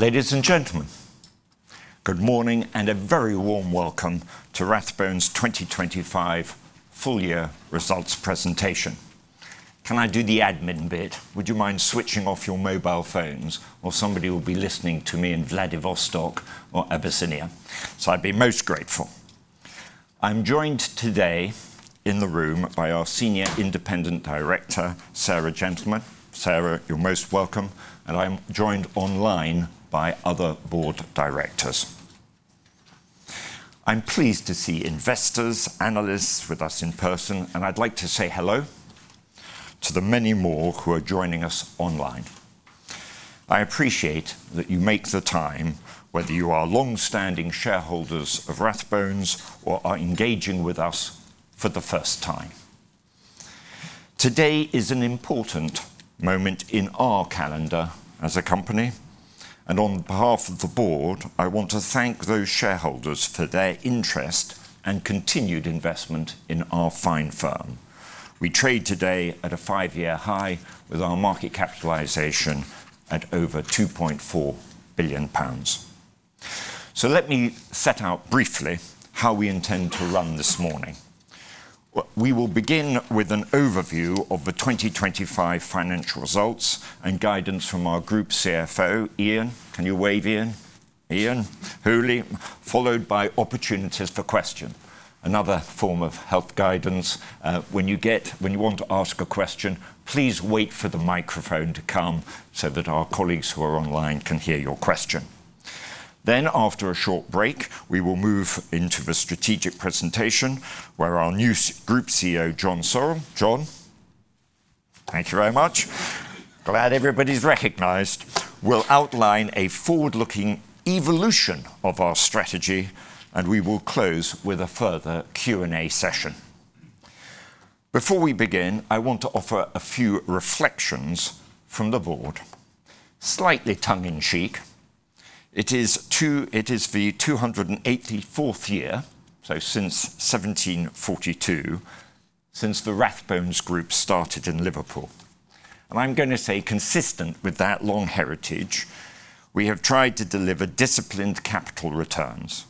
Ladies and gentlemen, good morning, and a very warm welcome to Rathbones' 2025 full year results presentation. Can I do the admin bit? Would you mind switching off your mobile phones, or somebody will be listening to me in Vladivostok or Abyssinia, so I'd be most grateful. I'm joined today in the room by our senior independent director, Sarah Gentleman. Sarah, you're most welcome, and I'm joined online by other board directors. I'm pleased to see investors, analysts with us in person, and I'd like to say hello to the many more who are joining us online. I appreciate that you make the time, whether you are long-standing shareholders of Rathbones or are engaging with us for the first time. Today is an important moment in our calendar as a company. On behalf of the board, I want to thank those shareholders for their interest and continued investment in our fine firm. We trade today at a five-year high, with our market capitalization at over 2.4 billion pounds. Let me set out briefly how we intend to run this morning. We will begin with an overview of the 2025 financial results and guidance from our Group CFO, Iain. Can you wave, Iain? Iain Hooley. Followed by opportunities for question. Another form of health guidance, when you want to ask a question, please wait for the microphone to come so that our colleagues who are online can hear your question. After a short break, we will move into the strategic presentation, where our new Group CEO, Jon Sorrell. Jon? Thank you very much. Glad everybody's recognized. will outline a forward-looking evolution of our strategy, and we will close with a further Q&A session. Before we begin, I want to offer a few reflections from the board. Slightly tongue-in-cheek, it is the 284th year, so since 1742, since the Rathbones Group started in Liverpool. I'm going to say, consistent with that long heritage, we have tried to deliver disciplined capital returns,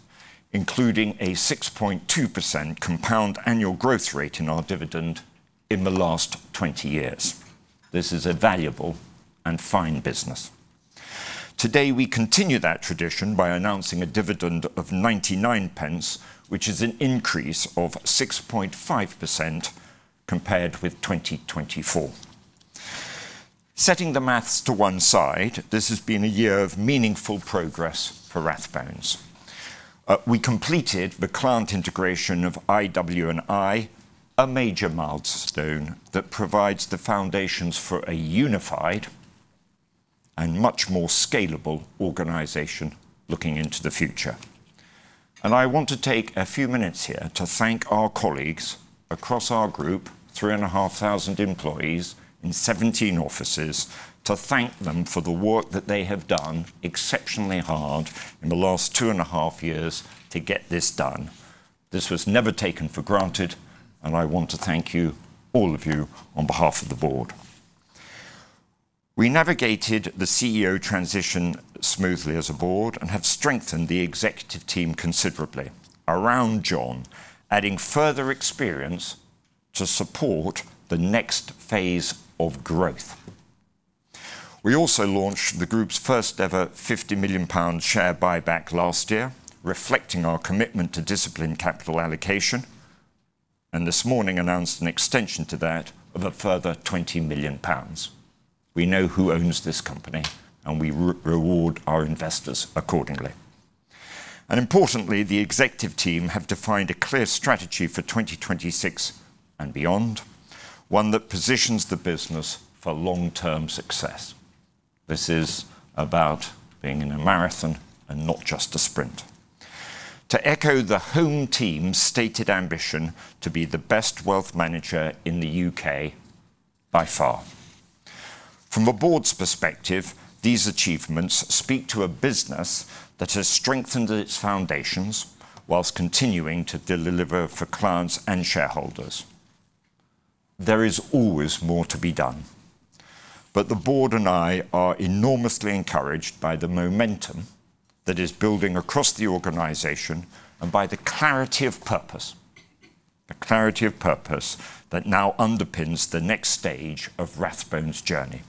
including a 6.2% compound annual growth rate in our dividend in the last 20 years. This is a valuable and fine business. Today, we continue that tradition by announcing a dividend of 0.99, which is an increase of 6.5% compared with 2024. Setting the math to one side, this has been a year of meaningful progress for Rathbones. We completed the client integration of IW&I, a major milestone that provides the foundations for a unified and much more scalable organization looking into the future. I want to take a few minutes here to thank our colleagues across our group, 3,500 employees in 17 offices, to thank them for the work that they have done exceptionally hard in the last 2.5 years to get this done. This was never taken for granted, and I want to thank you, all of you, on behalf of the board. We navigated the CEO transition smoothly as a board and have strengthened the executive team considerably around Jon, adding further experience to support the next phase of growth. We also launched the group's first-ever 50 million pound share buyback last year, reflecting our commitment to disciplined capital allocation. This morning announced an extension to that of a further 20 million pounds. We know who owns this company. We reward our investors accordingly. Importantly, the executive team have defined a clear strategy for 2026 and beyond, one that positions the business for long-term success. This is about being in a marathon and not just a sprint. To echo the home team's stated ambition to be the best wealth manager in the U.K. by far. From the board's perspective, these achievements speak to a business that has strengthened its foundations while continuing to deliver for clients and shareholders. There is always more to be done, the board and I are enormously encouraged by the momentum that is building across the organization and by the clarity of purpose that now underpins the next stage of Rathbones' journey.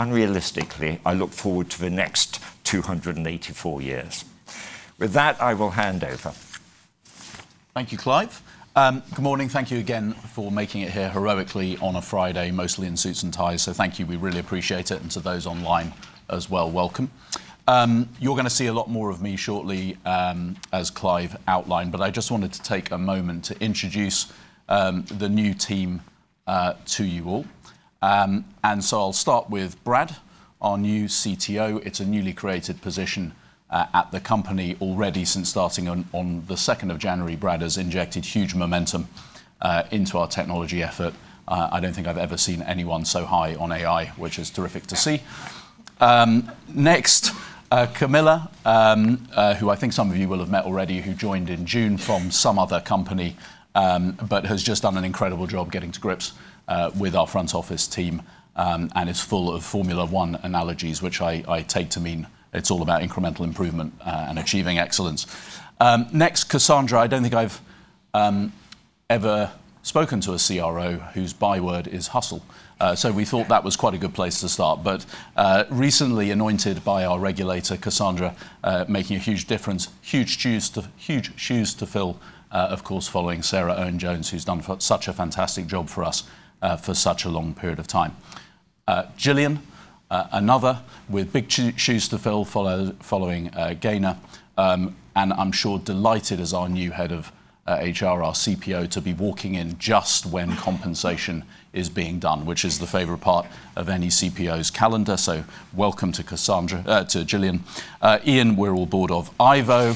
Unrealistically, I look forward to the next 284 years. With that, I will hand over. Thank you, Clive. Good morning. Thank you again for making it here heroically on a Friday, mostly in suits and ties, thank you. We really appreciate it, and to those online as well, welcome. You're gonna see a lot more of me shortly, as Clive outlined, but I just wanted to take a moment to introduce the new team to you all. I'll start with Brad, our new CTO. It's a newly created position at the company. Already, since starting on the 2nd of January, Brad has injected huge momentum into our technology effort. I don't think I've ever seen anyone so high on AI, which is terrific to see. Next, Camilla, who I think some of you will have met already, who joined in June from some other company, but has just done an incredible job getting to grips with our front office team. And is full of Formula One analogies, which I take to mean it's all about incremental improvement and achieving excellence. Next, Cassandra, I don't think I've ever spoken to a CRO whose byword is hustle. We thought that was quite a good place to start. Recently anointed by our regulator, Cassandra, making a huge difference. Huge shoes to fill, of course, following Sarah Owen-Jones, who's done such a fantastic job for us for such a long period of time. Gillian, another with big shoes to fill, following Gaynor, and I'm sure delighted as our new head of HR, our CPO, to be walking in just when compensation is being done, which is the favorite part of any CPO's calendar. Welcome to Cassandra to Gillian. Iain, we're all bored of Ivo.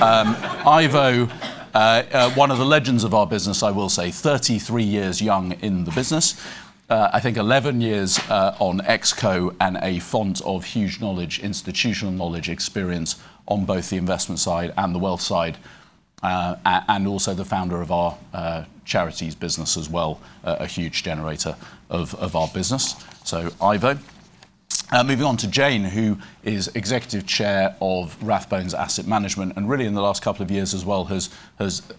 Ivo, one of the legends of our business, I will say. 33 years young in the business. I think 11 years on ExCo and a font of huge knowledge, institutional knowledge, experience on both the investment side and the wealth side, and also the founder of our charities business as well, a huge generator of our business. Ivo. Moving on to Jane, who is Executive Chair of Rathbones Asset Management, and really, in the last couple of years as well, has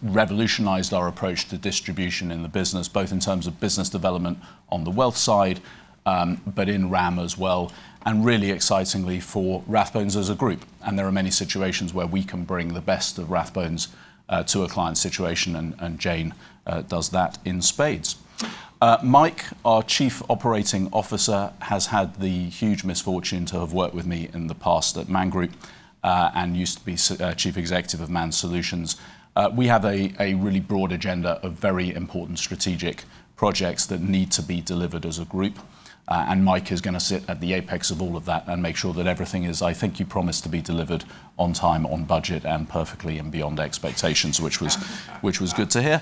revolutionized our approach to distribution in the business, both in terms of business development on the wealth side, but in RAM as well, and really excitingly for Rathbones as a group. There are many situations where we can bring the best of Rathbones to a client situation, and Jane does that in spades. Mike, our Chief Operating Officer, has had the huge misfortune to have worked with me in the past at Man Group, and used to be Chief Executive of Man Solutions. We have a really broad agenda of very important strategic projects that need to be delivered as a group, and Mike is gonna sit at the apex of all of that and make sure that everything is I think you promised to be delivered on time, on budget, and perfectly and beyond expectations, which was good to hear.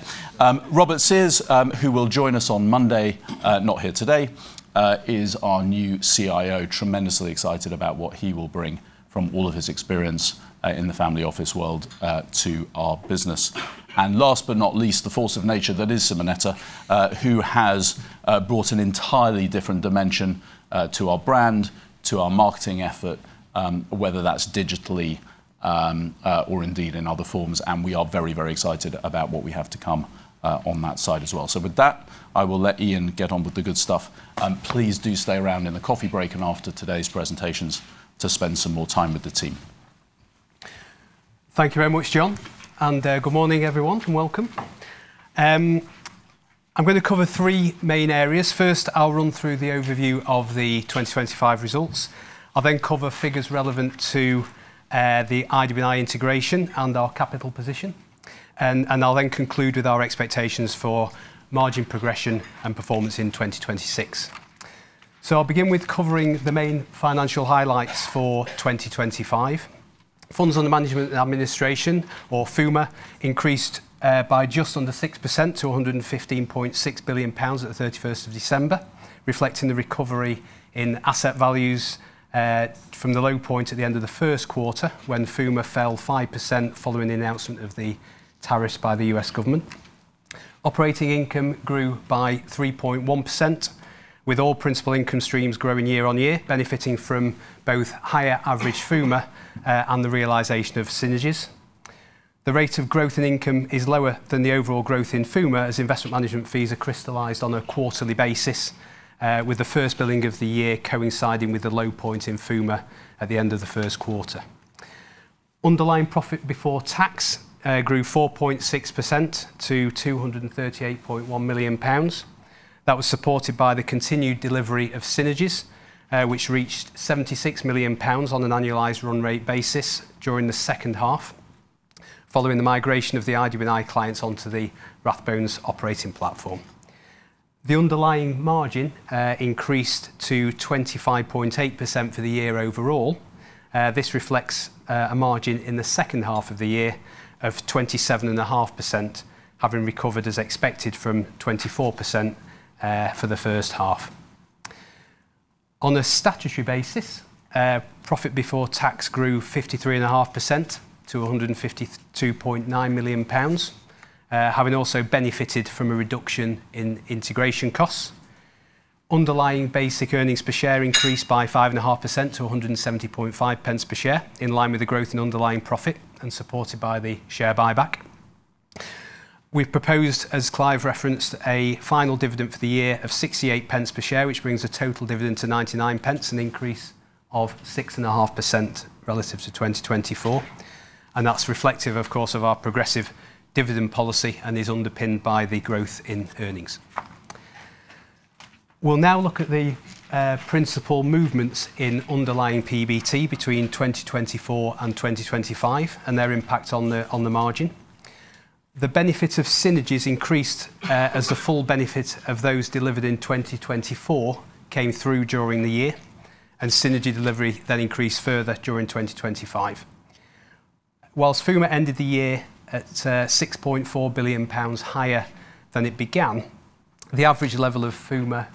Robert Sears, who will join us on Monday, not here today, is our new CIO. Tremendously excited about what he will bring from all of his experience, in the family office world, to our business. Last but not least, the force of nature that is Simonetta, who has brought an entirely different dimension to our brand, to our marketing effort, whether that's digitally, or indeed in other forms, and we are very, very excited about what we have to come on that side as well. With that, I will let Ian get on with the good stuff. Please do stay around in the coffee break and after today's presentations to spend some more time with the team. Thank you very much, Jon, and good morning, everyone, and welcome. I'm going to cover three main areas. First, I'll run through the overview of the 2025 results. I'll then cover figures relevant to the IW&I integration and our capital position. I'll then conclude with our expectations for margin progression and performance in 2026. I'll begin with covering the main financial highlights for 2025. Funds under management and administration, or FUMA, increased by just under 6% to 115.6 billion pounds at the 31st of December, reflecting the recovery in asset values from the low point at the end of the first quarter, when FUMA fell 5% following the announcement of the tariffs by the U.S. government. Operating income grew by 3.1%, with all principal income streams growing year-on-year, benefiting from both higher average FUMA and the realization of synergies. The rate of growth in income is lower than the overall growth in FUMA, as investment management fees are crystallized on a quarterly basis, with the first billing of the year coinciding with the low point in FUMA at the end of the first quarter. Underlying profit before tax grew 4.6% to 238.1 million pounds. That was supported by the continued delivery of synergies, which reached 76 million pounds on an annualized run rate basis during the second half, following the migration of the IW&I clients onto the Rathbones operating platform. The underlying margin increased to 25.8% for the year overall. This reflects a margin in the second half of the year of 27.5%, having recovered as expected from 24% for the first half. On a statutory basis, PBT grew 53.5% to 152.9 million pounds, having also benefited from a reduction in integration costs. Underlying basic EPS increased by 5.5% to 1.705 per share, in line with the growth in underlying profit and supported by the share buyback. We've proposed, as Clive referenced, a final dividend for the year of 0.68 per share, which brings the total dividend to 0.99, an increase of 6.5% relative to 2024. That's reflective, of course, of our progressive dividend policy and is underpinned by the growth in earnings. We'll now look at the principal movements in underlying PBT between 2024 and 2025 and their impact on the margin. The benefits of synergies increased as the full benefits of those delivered in 2024 came through during the year, and synergy delivery then increased further during 2025. Whilst FUMA ended the year at 6.4 billion pounds higher than it began, the average level of FUMA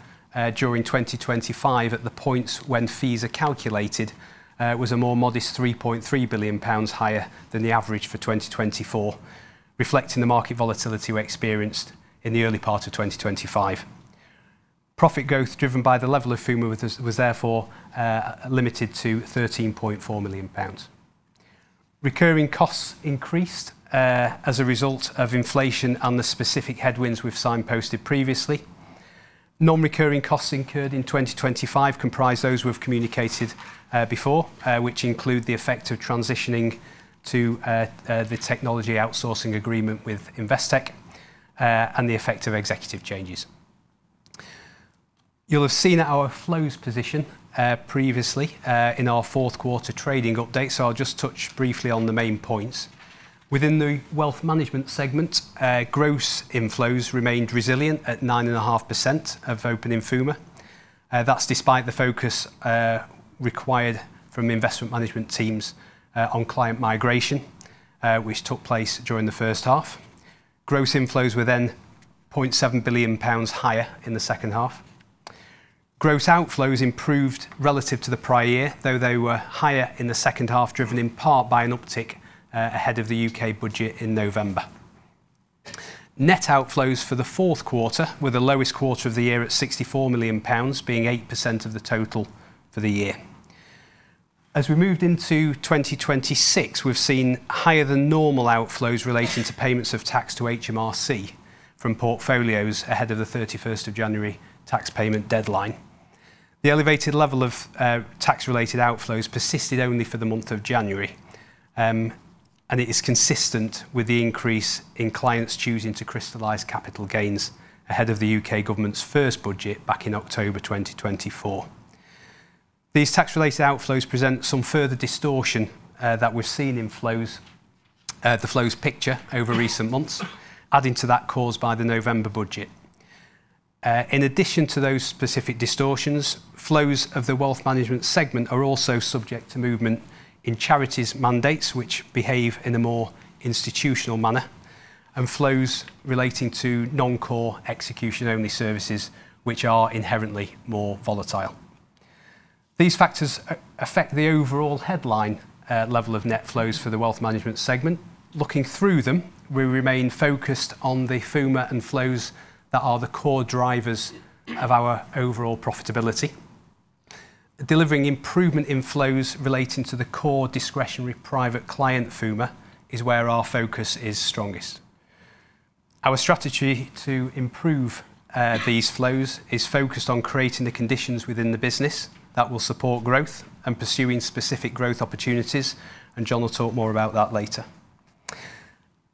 during 2025, at the points when fees are calculated, was a more modest 3.3 billion pounds higher than the average for 2024, reflecting the market volatility we experienced in the early part of 2025. Profit growth, driven by the level of FUMA with us, was therefore limited to 13.4 million pounds. Recurring costs increased as a result of inflation and the specific headwinds we've signposted previously. Non-recurring costs incurred in 2025 comprise those we've communicated before, which include the effect of transitioning to the technology outsourcing agreement with Investec and the effect of executive changes. You'll have seen our flows position previously in our fourth quarter trading update, so I'll just touch briefly on the main points. Within the wealth management segment, gross inflows remained resilient at 9.5% of opening FUMA. That's despite the focus required from investment management teams on client migration, which took place during the first half. Gross inflows were 0.7 billion pounds higher in the second half. Gross outflows improved relative to the prior year, though they were higher in the second half, driven in part by an uptick ahead of the U.K budget in November. Net outflows for the fourth quarter were the lowest quarter of the year at 64 million pounds, being 8% of the total for the year. As we moved into 2026, we've seen higher than normal outflows relating to payments of tax to HMRC from portfolios ahead of the 31st of January tax payment deadline. The elevated level of tax-related outflows persisted only for the month of January. It is consistent with the increase in clients choosing to crystallize capital gains ahead of the U.K. government's first budget back in October 2024. These tax-related outflows present some further distortion, that we've seen in flows, the flows picture over recent months, adding to that caused by the November budget. In addition to those specific distortions, flows of the wealth management segment are also subject to movement in charities mandates, which behave in a more institutional manner, and flows relating to non-core execution-only services, which are inherently more volatile. These factors affect the overall headline, level of net flows for the wealth management segment. Looking through them, we remain focused on the FUMA and flows that are the core drivers of our overall profitability. Delivering improvement in flows relating to the core discretionary private client FUMA is where our focus is strongest. Our strategy to improve these flows is focused on creating the conditions within the business that will support growth and pursuing specific growth opportunities. Jon will talk more about that later.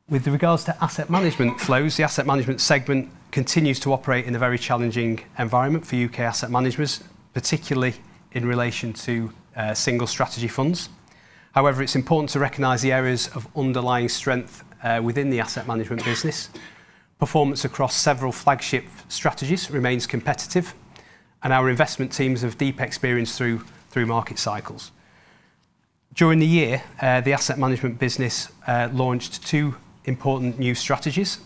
With regards to asset management flows, the asset management segment continues to operate in a very challenging environment for U.K. asset managers, particularly in relation to single strategy funds. However, it's important to recognize the areas of underlying strength within the asset management business. Performance across several flagship strategies remains competitive. Our investment teams have deep experience through market cycles. During the year, the asset management business launched two important new strategies: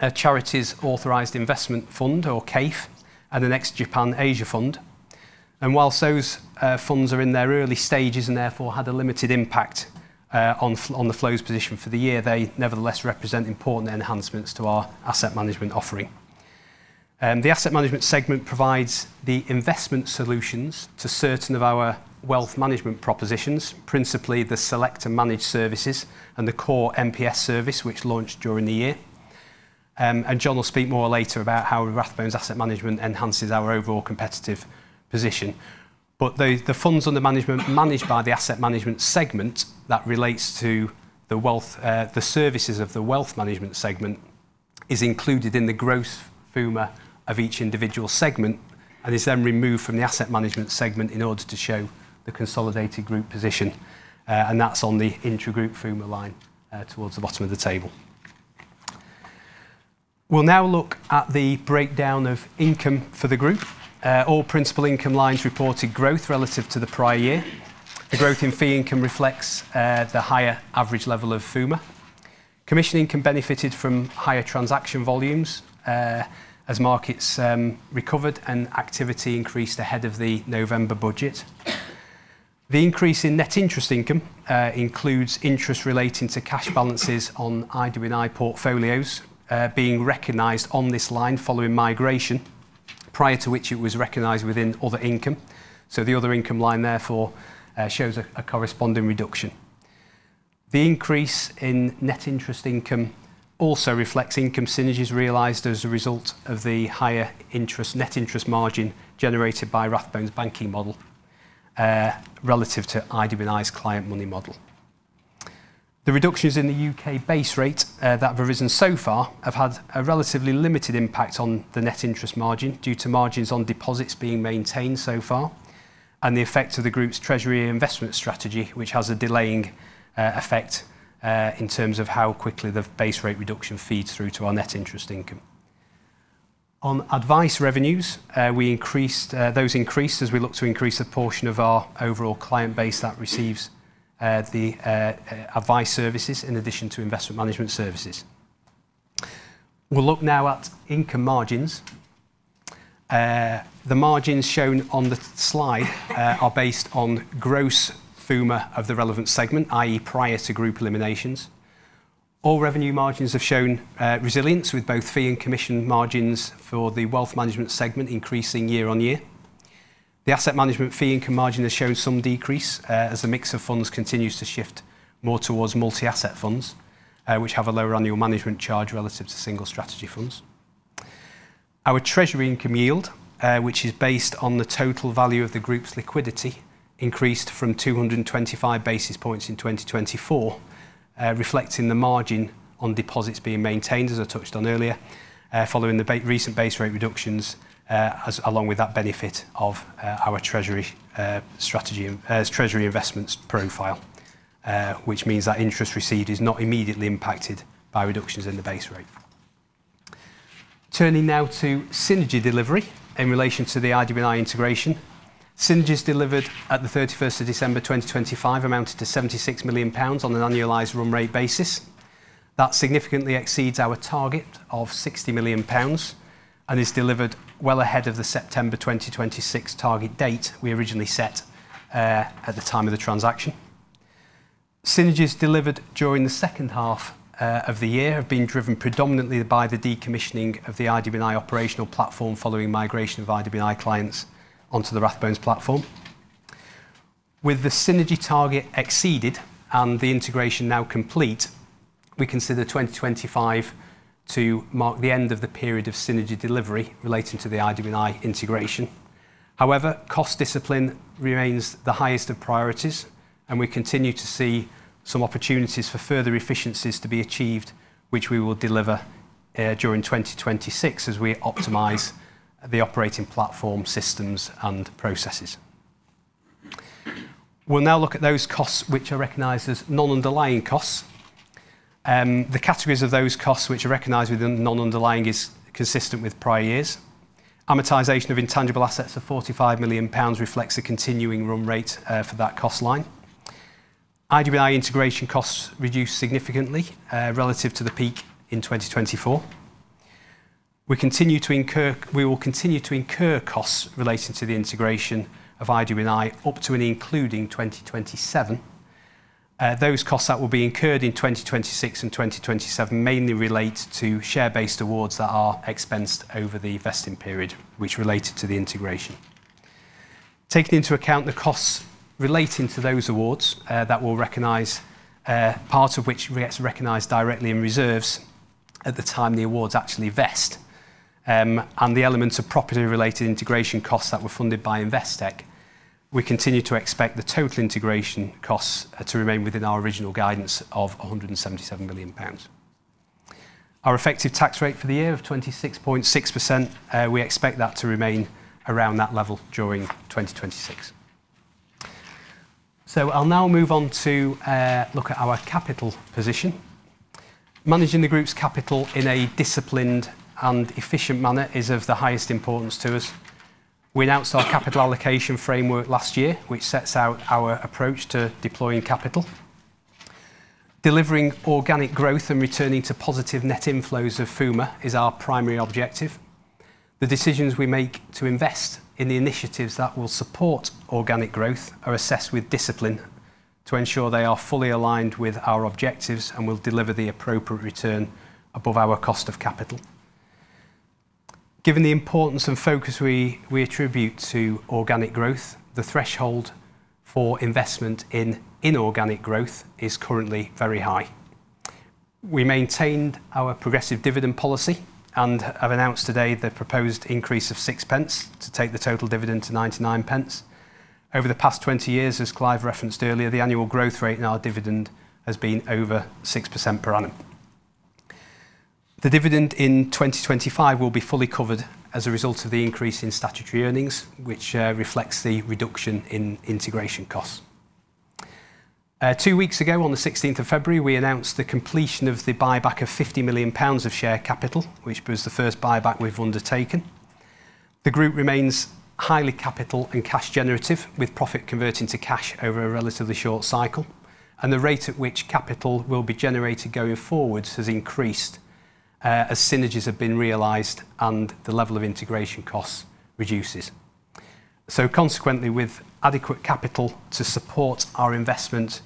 a charities authorized investment fund, or CAIF, and the Next Japan Asia Fund. Whilst those funds are in their early stages and therefore had a limited impact on the flows position for the year, they nevertheless represent important enhancements to our asset management offering. The asset management segment provides the investment solutions to certain of our wealth management propositions, principally the select and manage services and the core MPS service, which launched during the year. Jon will speak more later about how Rathbones Asset Management enhances our overall competitive position. The funds under management managed by the asset management segment that relates to the services of the wealth management segment is included in the gross FUMA of each individual segment and is then removed from the asset management segment in order to show the consolidated group position. That's on the intragroup FUMA line towards the bottom of the table. We'll now look at the breakdown of income for the group. All principal income lines reported growth relative to the prior year. The growth in fee income reflects the higher average level of FUMA. Commission income benefited from higher transaction volumes as markets recovered and activity increased ahead of the November budget. The increase in net interest income includes interest relating to cash balances on IW&I portfolios being recognized on this line following migration, prior to which it was recognized within other income. The other income line therefore shows a corresponding reduction. The increase in net interest income also reflects income synergies realized as a result of the higher interest, net interest margin generated by Rathbones banking model relative to IW&I's client money model. The reductions in the U.K. base rate that have arisen so far have had a relatively limited impact on the net interest margin due to margins on deposits being maintained so far, and the effect of the group's treasury investment strategy, which has a delaying effect in terms of how quickly the base rate reduction feeds through to our net interest income. On advice revenues, those increased as we look to increase the portion of our overall client base that receives the advice services in addition to investment management services. We'll look now at income margins. The margins shown on the slide are based on gross FUMA of the relevant segment, i.e., prior to group eliminations. All revenue margins have shown resilience, with both fee and commission margins for the wealth management segment increasing year-over-year. The asset management fee income margin has shown some decrease, as the mix of funds continues to shift more towards multi-asset funds, which have a lower annual management charge relative to single strategy funds. Our treasury income yield, which is based on the total value of the group's liquidity, increased from 225 basis points in 2024, reflecting the margin on deposits being maintained, as I touched on earlier, following the recent base rate reductions, as along with that benefit of our treasury strategy, as treasury investments profile, which means that interest received is not immediately impacted by reductions in the base rate. Turning now to synergy delivery in relation to the IW&I integration. Synergies delivered at the thirty-first of December, 2025, amounted to 76 million pounds on an annualized run rate basis. That significantly exceeds our target of 60 million pounds and is delivered well ahead of the September 2026 target date we originally set at the time of the transaction. Synergies delivered during the second half of the year have been driven predominantly by the decommissioning of the IW&I operational platform, following migration of IW&I clients onto the Rathbones platform. With the synergy target exceeded and the integration now complete, we consider 2025 to mark the end of the period of synergy delivery relating to the IW&I integration. However, cost discipline remains the highest of priorities, and we continue to see some opportunities for further efficiencies to be achieved, which we will deliver during 2026 as we optimize the operating platform, systems, and processes. We'll now look at those costs, which are recognized as non-underlying costs. The categories of those costs, which are recognized within non-underlying, is consistent with prior years. Amortization of intangible assets of 45 million pounds reflects a continuing run rate for that cost line. IW&I integration costs reduced significantly relative to the peak in 2024. We will continue to incur costs relating to the integration of IW&I up to and including 2027. Those costs that will be incurred in 2026 and 2027 mainly relate to share-based awards that are expensed over the vesting period, which related to the integration. Taking into account the costs relating to those awards, that will recognize, part of which gets recognized directly in reserves at the time the awards actually vest, and the elements of property-related integration costs that were funded by Investec, we continue to expect the total integration costs, to remain within our original guidance of 177 million pounds. Our effective tax rate for the year of 26.6%, we expect that to remain around that level during 2026. I'll now move on to look at our capital position. Managing the group's capital in a disciplined and efficient manner is of the highest importance to us. We announced our capital allocation framework last year, which sets out our approach to deploying capital. Delivering organic growth and returning to positive net inflows of FUMA is our primary objective. The decisions we make to invest in the initiatives that will support organic growth are assessed with discipline to ensure they are fully aligned with our objectives and will deliver the appropriate return above our cost of capital. Given the importance and focus we attribute to organic growth, the threshold for investment in inorganic growth is currently very high. We maintained our progressive dividend policy and have announced today the proposed increase of 6 pence, to take the total dividend to 99 pence. Over the past 20 years, as Clive referenced earlier, the annual growth rate in our dividend has been over 6% per annum. The dividend in 2025 will be fully covered as a result of the increase in statutory earnings, which reflects the reduction in integration costs. Two weeks ago, on the 16th of February, we announced the completion of the buyback of 50 million pounds of share capital, which was the first buyback we've undertaken. The group remains highly capital and cash generative, with profit converting to cash over a relatively short cycle, and the rate at which capital will be generated going forwards has increased as synergies have been realized, and the level of integration costs reduces. Consequently, with adequate capital to support our investment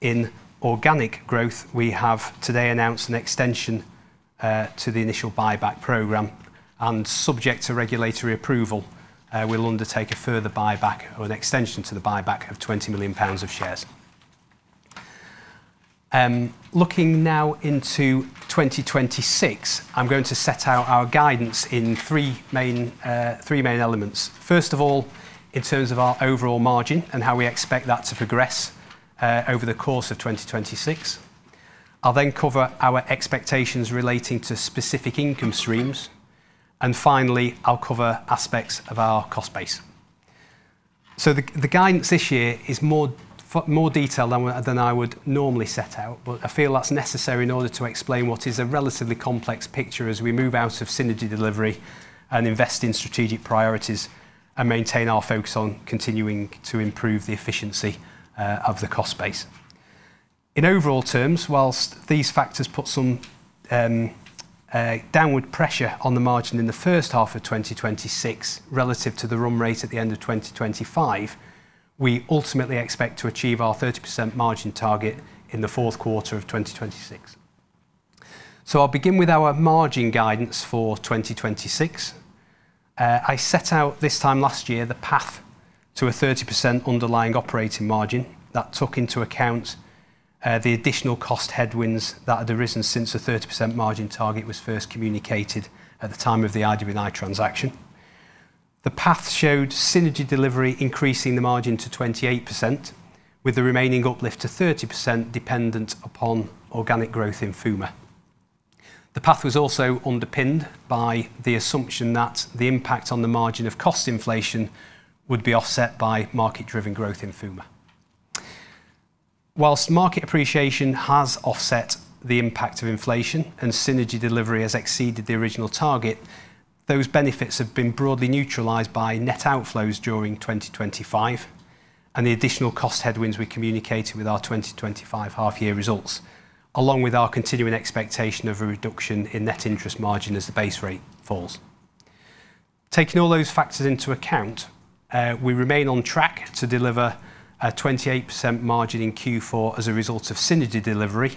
in organic growth, we have today announced an extension to the initial buyback program, and subject to regulatory approval, we'll undertake a further buyback or an extension to the buyback of 20 million pounds of shares. Looking now into 2026, I'm going to set out our guidance in three main elements. First of all, in terms of our overall margin and how we expect that to progress over the course of 2026. Finally, I'll cover aspects of our cost base. The guidance this year is more detailed than I would normally set out, but I feel that's necessary in order to explain what is a relatively complex picture as we move out of synergy delivery and invest in strategic priorities, and maintain our focus on continuing to improve the efficiency of the cost base. In overall terms, whilst these factors put some downward pressure on the margin in the first half of 2026, relative to the room rate at the end of 2025, we ultimately expect to achieve our 30% margin target in the fourth quarter of 2026. I'll begin with our margin guidance for 2026. I set out this time last year, the path to a 30% underlying operating margin. That took into account the additional cost headwinds that had arisen since the 30% margin target was first communicated at the time of the IW&I transaction. The path showed synergy delivery increasing the margin to 28%, with the remaining uplift to 30% dependent upon organic growth in FUMA. The path was also underpinned by the assumption that the impact on the margin of cost inflation would be offset by market-driven growth in FUMA. Whilst market appreciation has offset the impact of inflation and synergy delivery has exceeded the original target, those benefits have been broadly neutralized by net outflows during 2025, and the additional cost headwinds we communicated with our 2025 half year results, along with our continuing expectation of a reduction in net interest margin as the base rate falls. Taking all those factors into account, we remain on track to deliver a 28% margin in Q4 as a result of synergy delivery,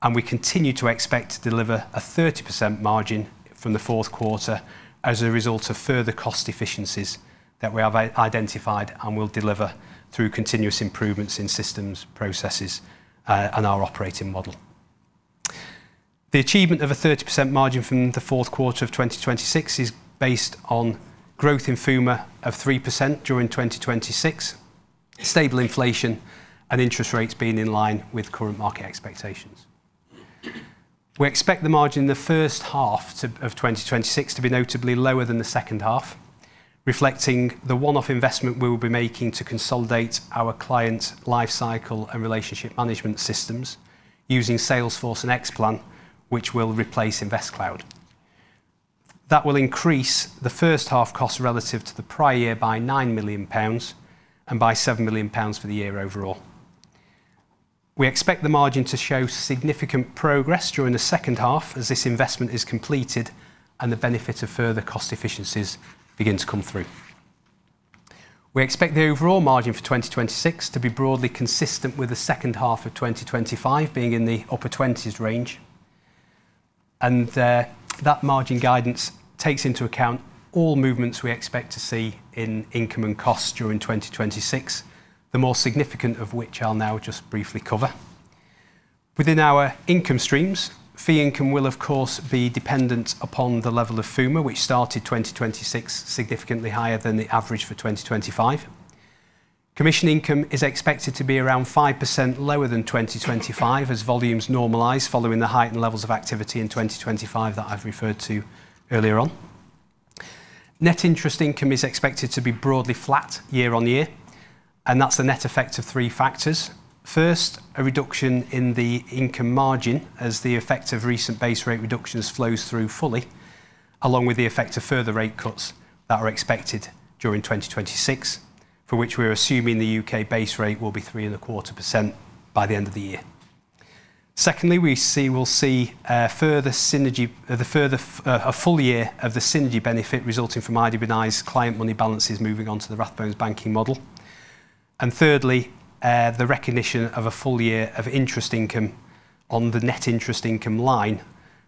and we continue to expect to deliver a 30% margin from the fourth quarter as a result of further cost efficiencies that we have identified and will deliver through continuous improvements in systems, processes, and our operating model. The achievement of a 30% margin from the fourth quarter of 2026 is based on growth in FUMA of 3% during 2026, stable inflation and interest rates being in line with current market expectations. We expect the margin in the first half of 2026 to be notably lower than the second half, reflecting the one-off investment we will be making to consolidate our client life cycle and relationship management systems using Salesforce and Xplan, which will replace InvestCloud. That will increase the first half cost relative to the prior year by 9 million pounds and by 7 million pounds for the year overall. We expect the margin to show significant progress during the second half as this investment is completed and the benefit of further cost efficiencies begin to come through. We expect the overall margin for 2026 to be broadly consistent with the second half of 2025, being in the upper 20s range. That margin guidance takes into account all movements we expect to see in income and costs during 2026, the more significant of which I'll now just briefly cover. Within our income streams, fee income will, of course, be dependent upon the level of FUMA, which started 2026 significantly higher than the average for 2025. Commission income is expected to be around 5% lower than 2025 as volumes normalize, following the heightened levels of activity in 2025 that I've referred to earlier on. Net interest income is expected to be broadly flat year-on-year, and that's the net effect of three factors. First, a reduction in the income margin as the effect of recent base rate reductions flows through fully, along with the effect of further rate cuts that are expected during 2026, for which we are assuming the U.K. base rate will be 3.25% by the end of the year. Secondly, we'll see further synergy, the further, a full year of the synergy benefit resulting from IW&I's client money balances moving on to the Rathbones banking model. Thirdly, the recognition of a full year of interest income on the net interest income line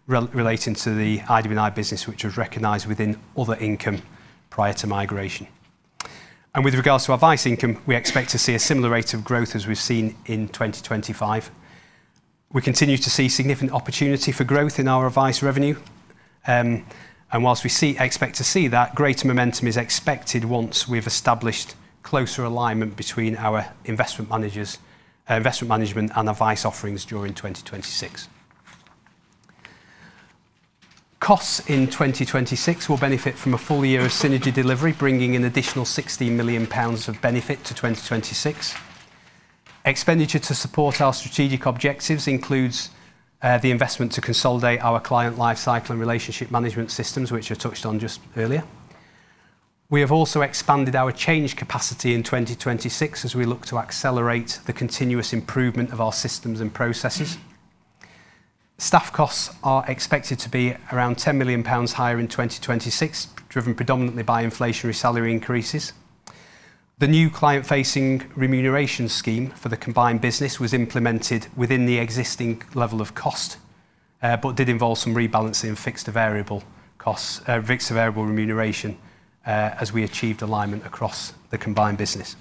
relating to the IW&I business, which was recognized within other income prior to migration. With regards to advice income, we expect to see a similar rate of growth as we've seen in 2025. We continue to see significant opportunity for growth in our advice revenue. Whilst we expect to see that, greater momentum is expected once we've established closer alignment between our investment managers, investment management and advice offerings during 2026. Costs in 2026 will benefit from a full year of synergy delivery, bringing an additional 60 million pounds of benefit to 2026. Expenditure to support our strategic objectives includes the investment to consolidate our client life cycle and relationship management systems, which I touched on just earlier. We have also expanded our change capacity in 2026 as we look to accelerate the continuous improvement of our systems and processes. Staff costs are expected to be around 10 million pounds higher in 2026, driven predominantly by inflationary salary increases. The new client-facing remuneration scheme for the combined business was implemented within the existing level of cost, but did involve some rebalancing of fixed variable costs, fixed variable remuneration, as we achieved alignment across the combined business.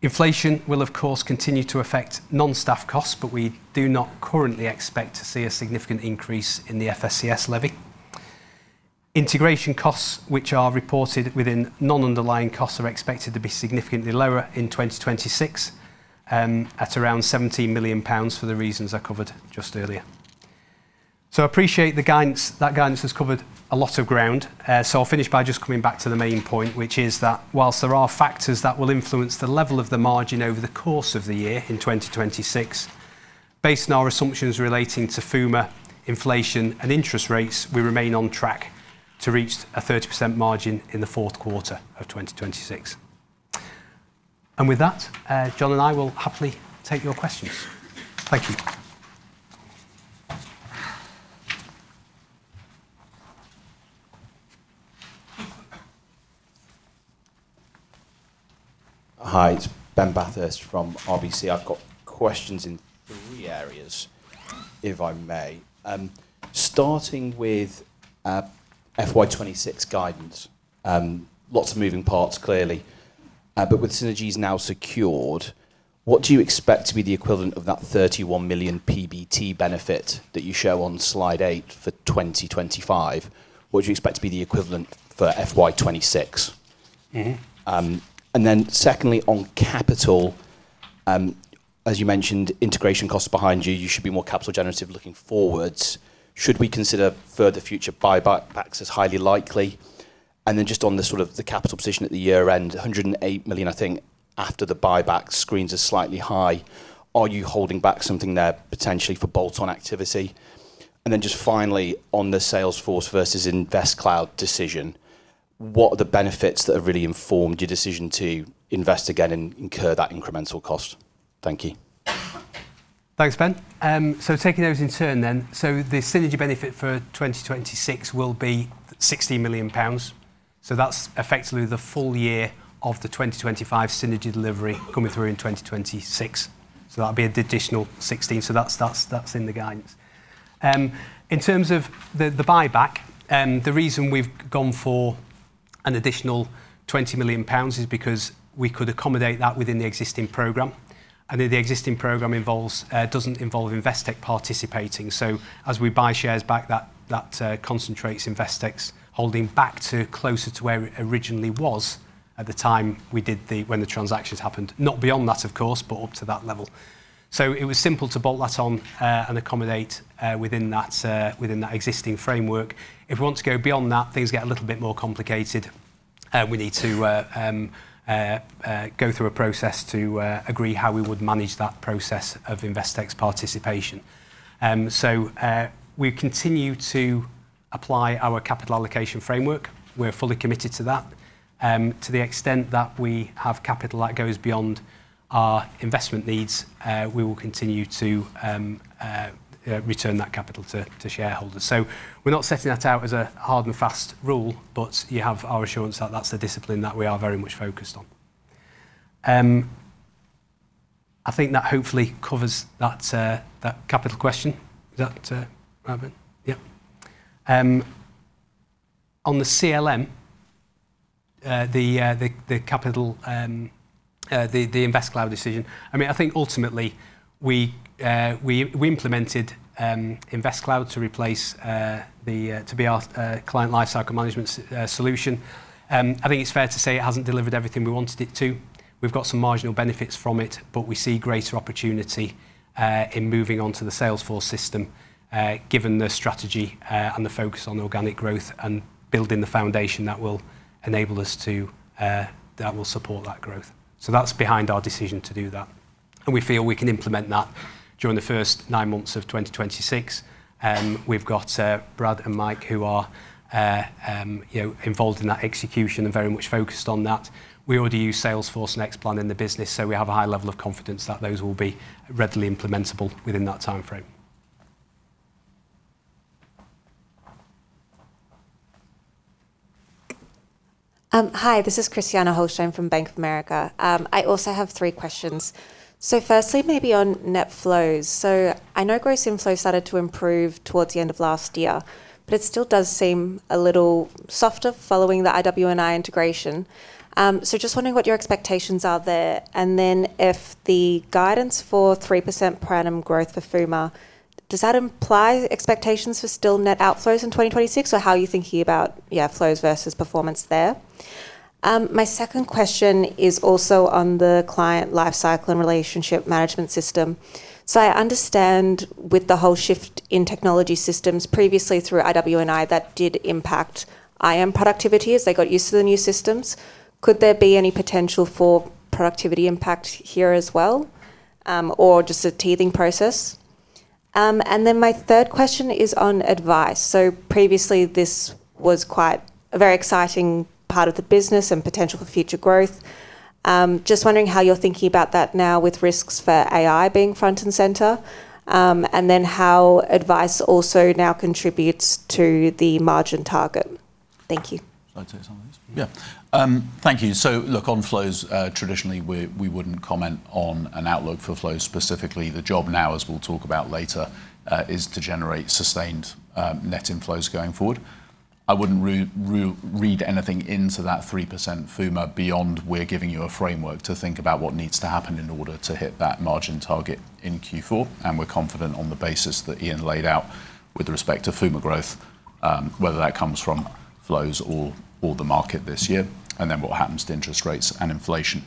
Inflation will, of course, continue to affect non-staff costs, but we do not currently expect to see a significant increase in the FSCS levy. Integration costs, which are reported within non-underlying costs, are expected to be significantly lower in 2026, at around 70 million pounds for the reasons I covered just earlier. I appreciate the guidance, that guidance has covered a lot of ground. I'll finish by just coming back to the main point, which is that whilst there are factors that will influence the level of the margin over the course of the year in 2026, based on our assumptions relating to FUMA, inflation, and interest rates, we remain on track to reach a 30% margin in the fourth quarter of 2026. With that, Jon and I will happily take your questions. Thank you. Hi, it's Ben Bathurst from RBC. I've got questions in three areas, if I may. Starting with FY 2026 guidance. Lots of moving parts, clearly. But with synergies now secured, what do you expect to be the equivalent of that 31 million PBT benefit that you show on slide eight for 2025? What do you expect to be the equivalent for FY 2026? Mm-hmm. Secondly, on capital, as you mentioned, integration costs are behind you. You should be more capital generative looking forwards. Should we consider further future buybacks as highly likely? Just on the sort of the capital position at the year-end, 108 million, I think, after the buyback screens are slightly high, are you holding back something there potentially for bolt-on activity? Just finally, on the Salesforce versus InvestCloud decision, what are the benefits that have really informed your decision to invest again and incur that incremental cost? Thank you. Thanks, Ben. Taking those in turn. The synergy benefit for 2026 will be 60 million pounds. That's effectively the full year of the 2025 synergy delivery coming through in 2026. That'll be an additional 16 million. That's in the guidance. In terms of the buyback, the reason we've gone for an additional 20 million pounds is because we could accommodate that within the existing program. The existing program doesn't involve Investec participating. As we buy shares back, that concentrates Investec's holding back to closer to where it originally was at the time we did when the transactions happened. Not beyond that, of course, but up to that level. It was simple to bolt that on and accommodate within that existing framework. If we want to go beyond that, things get a little bit more complicated, we need to go through a process to agree how we would manage that process of Investec's participation. We continue to apply our capital allocation framework. We're fully committed to that. To the extent that we have capital that goes beyond our investment needs, we will continue to return that capital to shareholders. We're not setting that out as a hard and fast rule, but you have our assurance that that's the discipline that we are very much focused on. I think that hopefully covers that capital question. Is that Robin? Yeah. On the CLM, the capital, the InvestCloud decision, I mean, I think ultimately, we implemented InvestCloud to replace to be our client lifecycle management solution. I think it's fair to say it hasn't delivered everything we wanted it to. We've got some marginal benefits from it, but we see greater opportunity in moving on to the Salesforce system, given the strategy and the focus on organic growth and building the foundation that will enable us to that will support that growth. That's behind our decision to do that. And we feel we can implement that during the first nine months of 2026. We've got Brad and Mike, who are, you know, involved in that execution and very much focused on that. We already use Salesforce Xplan in the business, so we have a high level of confidence that those will be readily implementable within that time frame. Hi, this is Christina Holsten from Bank of America. I also have three questions. Firstly, maybe on net flows. I know gross inflows started to improve towards the end of last year, but it still does seem a little softer following the IW&I integration. Just wondering what your expectations are there, if the guidance for 3% per annum growth for FUMA, does that imply expectations for still net outflows in 2026, or how are you thinking about, yeah, flows versus performance there? My second question is also on the client life cycle and relationship management system. I understand with the whole shift in technology systems previously through IW&I, that did impact IM productivity as they got used to the new systems. Could there be any potential for productivity impact here as well, or just a teething process? My third question is on advice. Previously, this was quite a very exciting part of the business and potential for future growth. Just wondering how you're thinking about that now with risks for AI being front and center, and then how advice also now contributes to the margin target. Thank you. Shall I take some of these? Yeah. Thank you. Look, on flows, traditionally, we wouldn't comment on an outlook for flows, specifically. The job now, as we'll talk about later, is to generate sustained net inflows going forward. I wouldn't re-read anything into that 3% FUMA, beyond we're giving you a framework to think about what needs to happen in order to hit that margin target in Q4, and we're confident on the basis that Iain laid out with respect to FUMA growth, whether that comes from flows or the market this year, and then what happens to interest rates and inflation.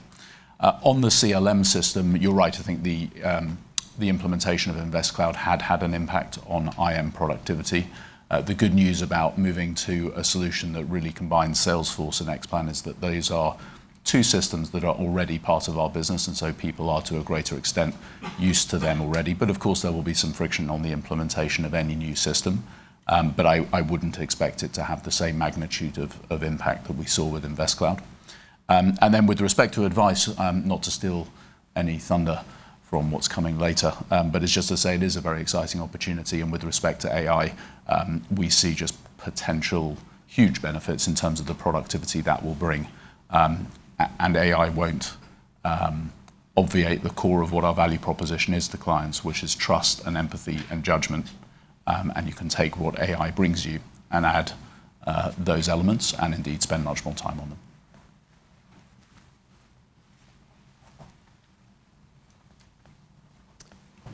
On the CLM system, you're right. I think the implementation of InvestCloud had an impact on IM productivity. The good news about moving to a solution that really combines Salesforce and Xplan is that those are two systems that are already part of our business, and so people are, to a greater extent, used to them already. Of course, there will be some friction on the implementation of any new system. I wouldn't expect it to have the same magnitude of impact that we saw with InvestCloud. With respect to advice, not to steal any thunder from what's coming later, but it's just to say it is a very exciting opportunity. With respect to AI, we see just potential huge benefits in terms of the productivity that will bring. AI won't obviate the core of what our value proposition is to clients, which is trust and empathy and judgment. You can take what AI brings you and add those elements, and indeed, spend much more time on them.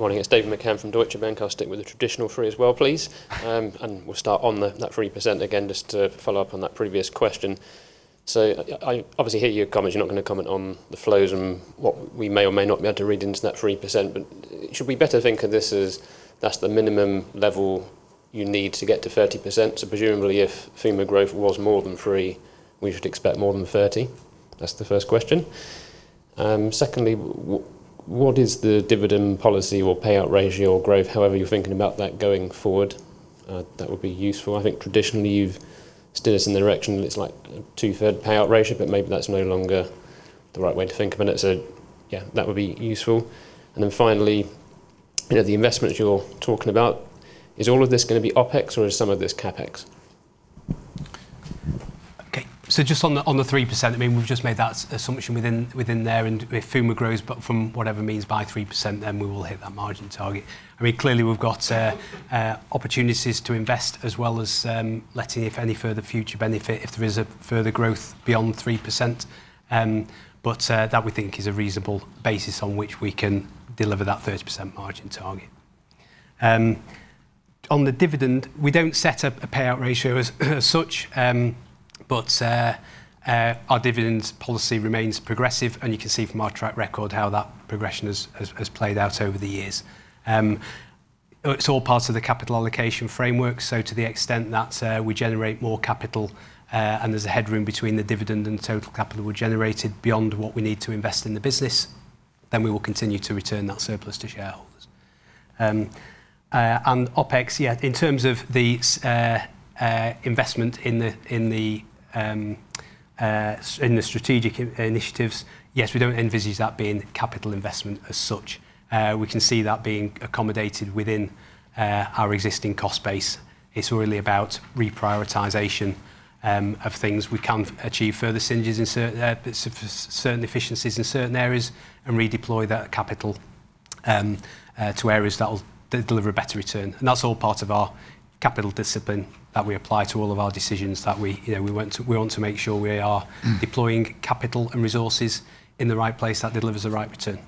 Good morning, it's David McCann from Deutsche Bank. I'll stick with the traditional three as well, please. We'll start on that 3% again, just to follow up on that previous question. I obviously hear your comments. You're not gonna comment on the flows and what we may or may not be able to read into that 3%, but should we better think of this as that's the minimum level you need to get to 30%? Presumably, if FUMA growth was more than 3%, we should expect more than 30%. That's the first question. Secondly, what is the dividend policy or payout ratio or growth, however you're thinking about that going forward? That would be useful. I think traditionally, you've steered us in the direction, it's like two-third payout ratio, but maybe that's no longer the right way to think of it. Yeah, that would be useful. Finally, you know, the investments you're talking about, is all of this going to be OpEx or is some of this CapEx? Okay. Just on the, on the 3%, I mean, we've just made that assumption within there. If FUMAR grows, but from whatever means by 3%, then we will hit that margin target. I mean, clearly, we've got opportunities to invest as well as letting if any further future benefit, if there is a further growth beyond 3%. That we think is a reasonable basis on which we can deliver that 30% margin target. On the dividend, we don't set up a payout ratio as such, but our dividend policy remains progressive, and you can see from our track record how that progression has played out over the years. It's all part of the capital allocation framework, so to the extent that we generate more capital and there's a headroom between the dividend and the total capital generated beyond what we need to invest in the business, then we will continue to return that surplus to shareholders. OpEx, yeah, in terms of the investment in the strategic initiatives, yes, we don't envisage that being capital investment as such. We can see that being accommodated within our existing cost base. It's really about reprioritization of things. We can achieve further synergies in certain efficiencies in certain areas and redeploy that capital to areas that will deliver a better return. That's all part of our capital discipline that we apply to all of our decisions. You know, we want to make sure we are deploying capital and resources in the right place that delivers the right return.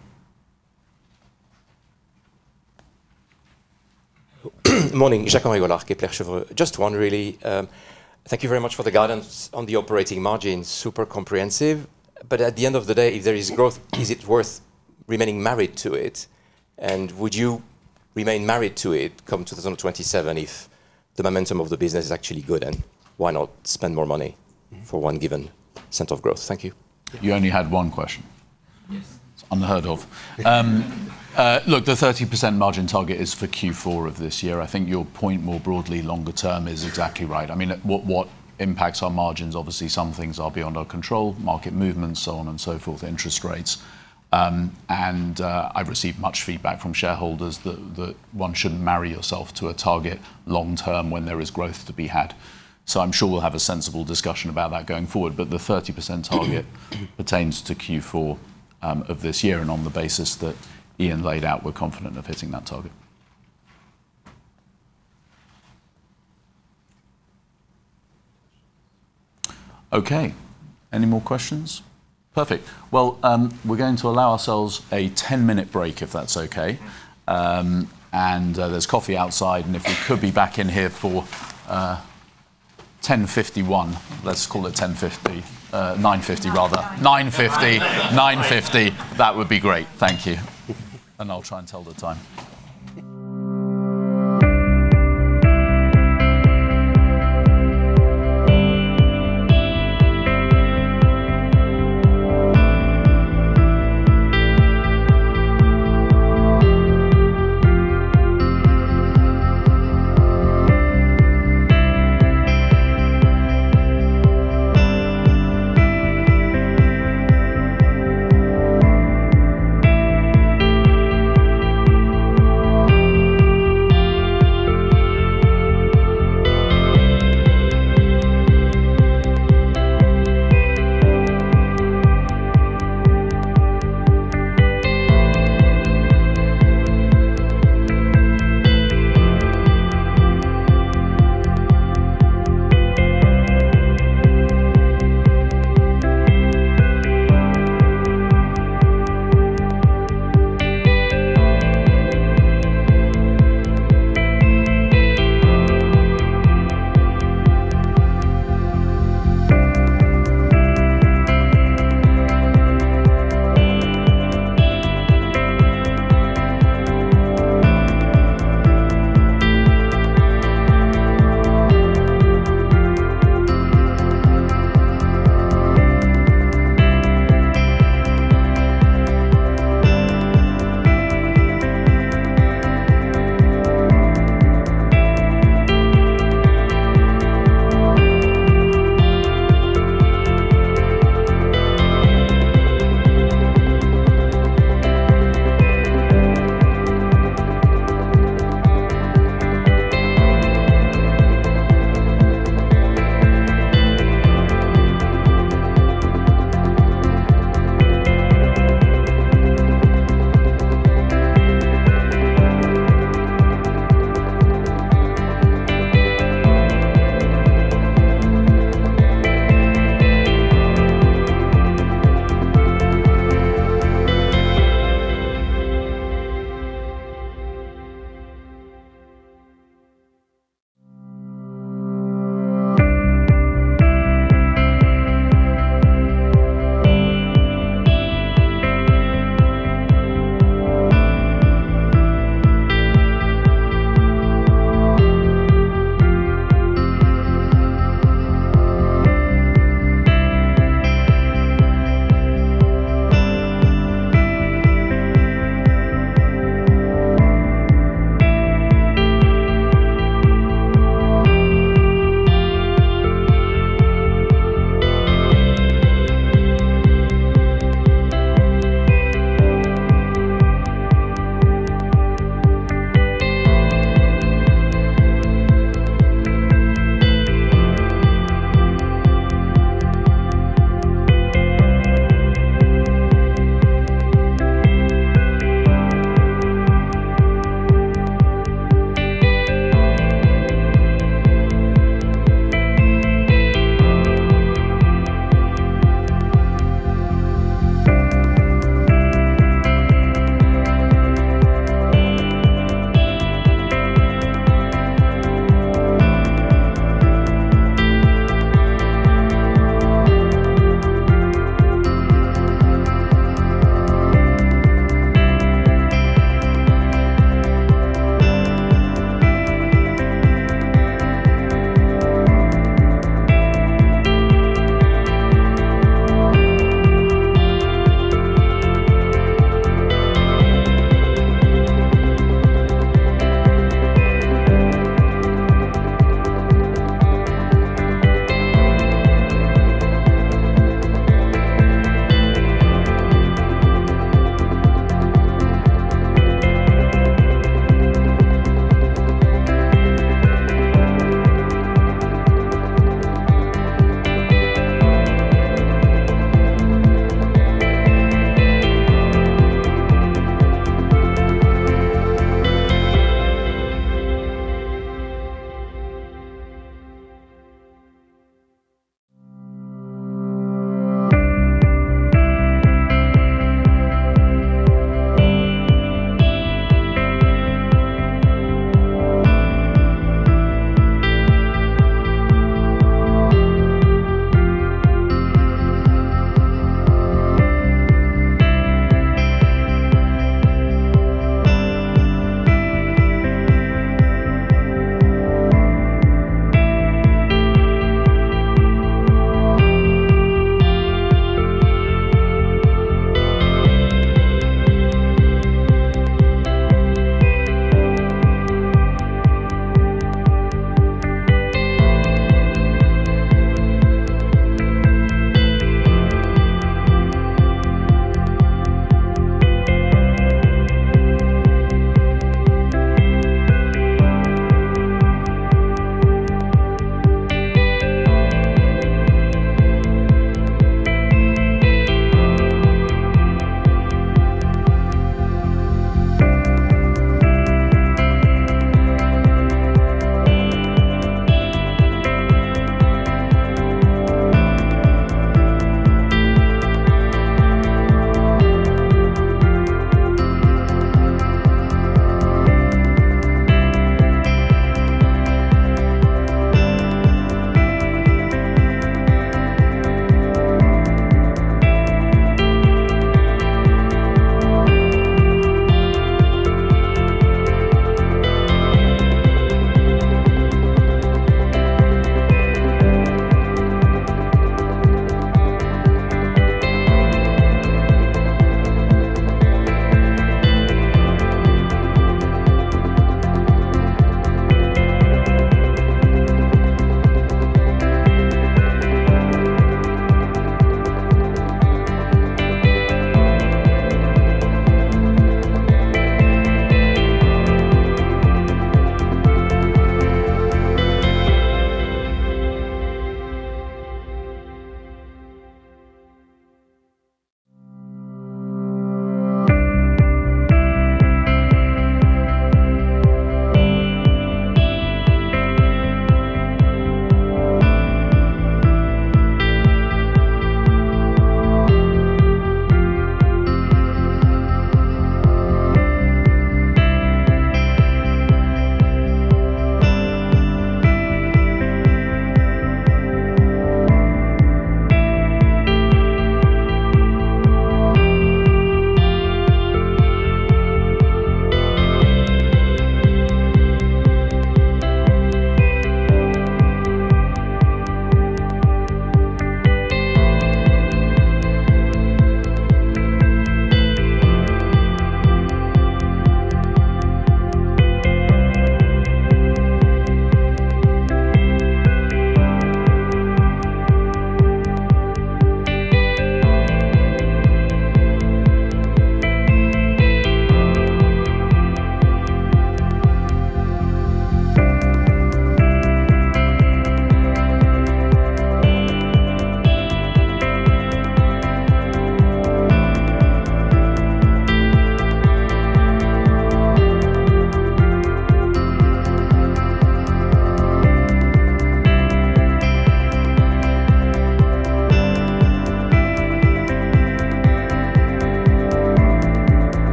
Morning, Jacques-Henri Gaulard, Kepler Cheuvreux. Just one, really. Thank you very much for the guidance on the operating margin. Super comprehensive. At the end of the day, if there is growth, is it worth remaining married to it? Would you remain married to it, come 2027, if the momentum of the business is actually good, and why not spend more money for one given cent of growth? Thank you. You only had one question? Yes. It's unheard of. Look, the 30% margin target is for Q4 of this year. I think your point, more broadly, longer term, is exactly right. I mean, what impacts our margins? Obviously, some things are beyond our control, market movements, so on and so forth, interest rates. I've received much feedback from shareholders that one shouldn't marry yourself to a target long term when there is growth to be had. I'm sure we'll have a sensible discussion about that going forward. The 30% target pertains to Q4 of this year, and on the basis that Iain laid out, we're confident of hitting that target. Okay, any more questions? Perfect. Well, we're going to allow ourselves a 10-minute break, if that's okay. There's coffee outside, and if you could be back in here for 10:51 A.M. Let's call it 10:50 A.M. 9:50 A.M., rather. 9.50. 9:50. 9:50, that would be great. Thank you. I'll try and tell the time.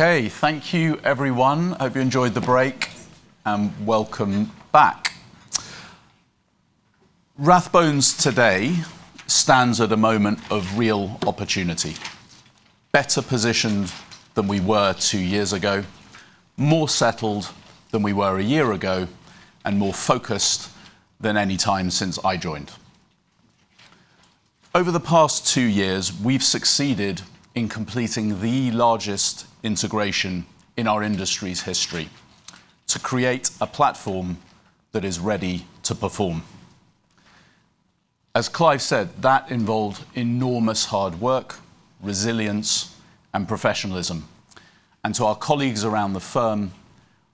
Okay, thank you, everyone. I hope you enjoyed the break. Welcome back. Rathbones today stands at a moment of real opportunity, better positioned than we were two years ago, more settled than we were one year ago, and more focused than any time since I joined. Over the past two years, we've succeeded in completing the largest integration in our industry's history to create a platform that is ready to perform. As Clive said, that involved enormous hard work, resilience, and professionalism. To our colleagues around the firm,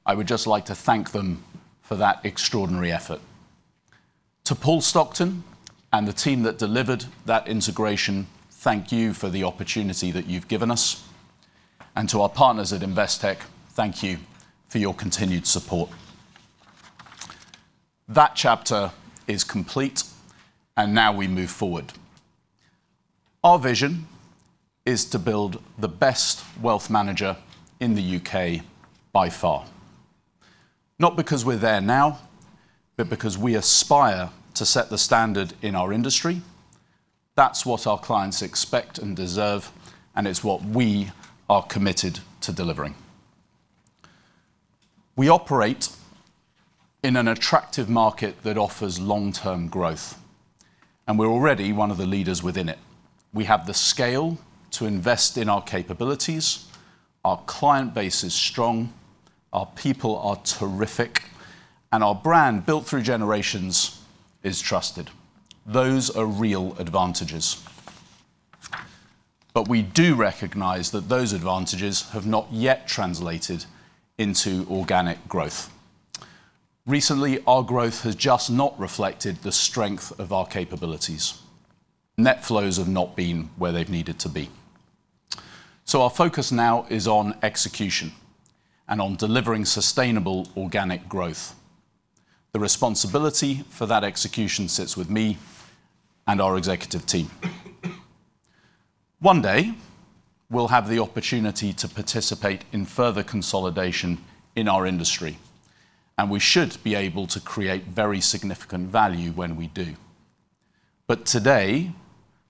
I would just like to thank them for that extraordinary effort. To Paul Stockton and the team that delivered that integration, thank you for the opportunity that you've given us. To our partners at Investec, thank you for your continued support. That chapter is complete. Now we move forward. Our vision is to build the best wealth manager in the U.K. by far. Not because we're there now, because we aspire to set the standard in our industry. That's what our clients expect and deserve, it's what we are committed to delivering. We operate in an attractive market that offers long-term growth, we're already one of the leaders within it. We have the scale to invest in our capabilities, our client base is strong, our people are terrific, our brand, built through generations, is trusted. Those are real advantages. We do recognize that those advantages have not yet translated into organic growth. Recently, our growth has just not reflected the strength of our capabilities. Net flows have not been where they've needed to be. Our focus now is on execution and on delivering sustainable organic growth. The responsibility for that execution sits with me and our executive team. One day, we'll have the opportunity to participate in further consolidation in our industry, and we should be able to create very significant value when we do. Today,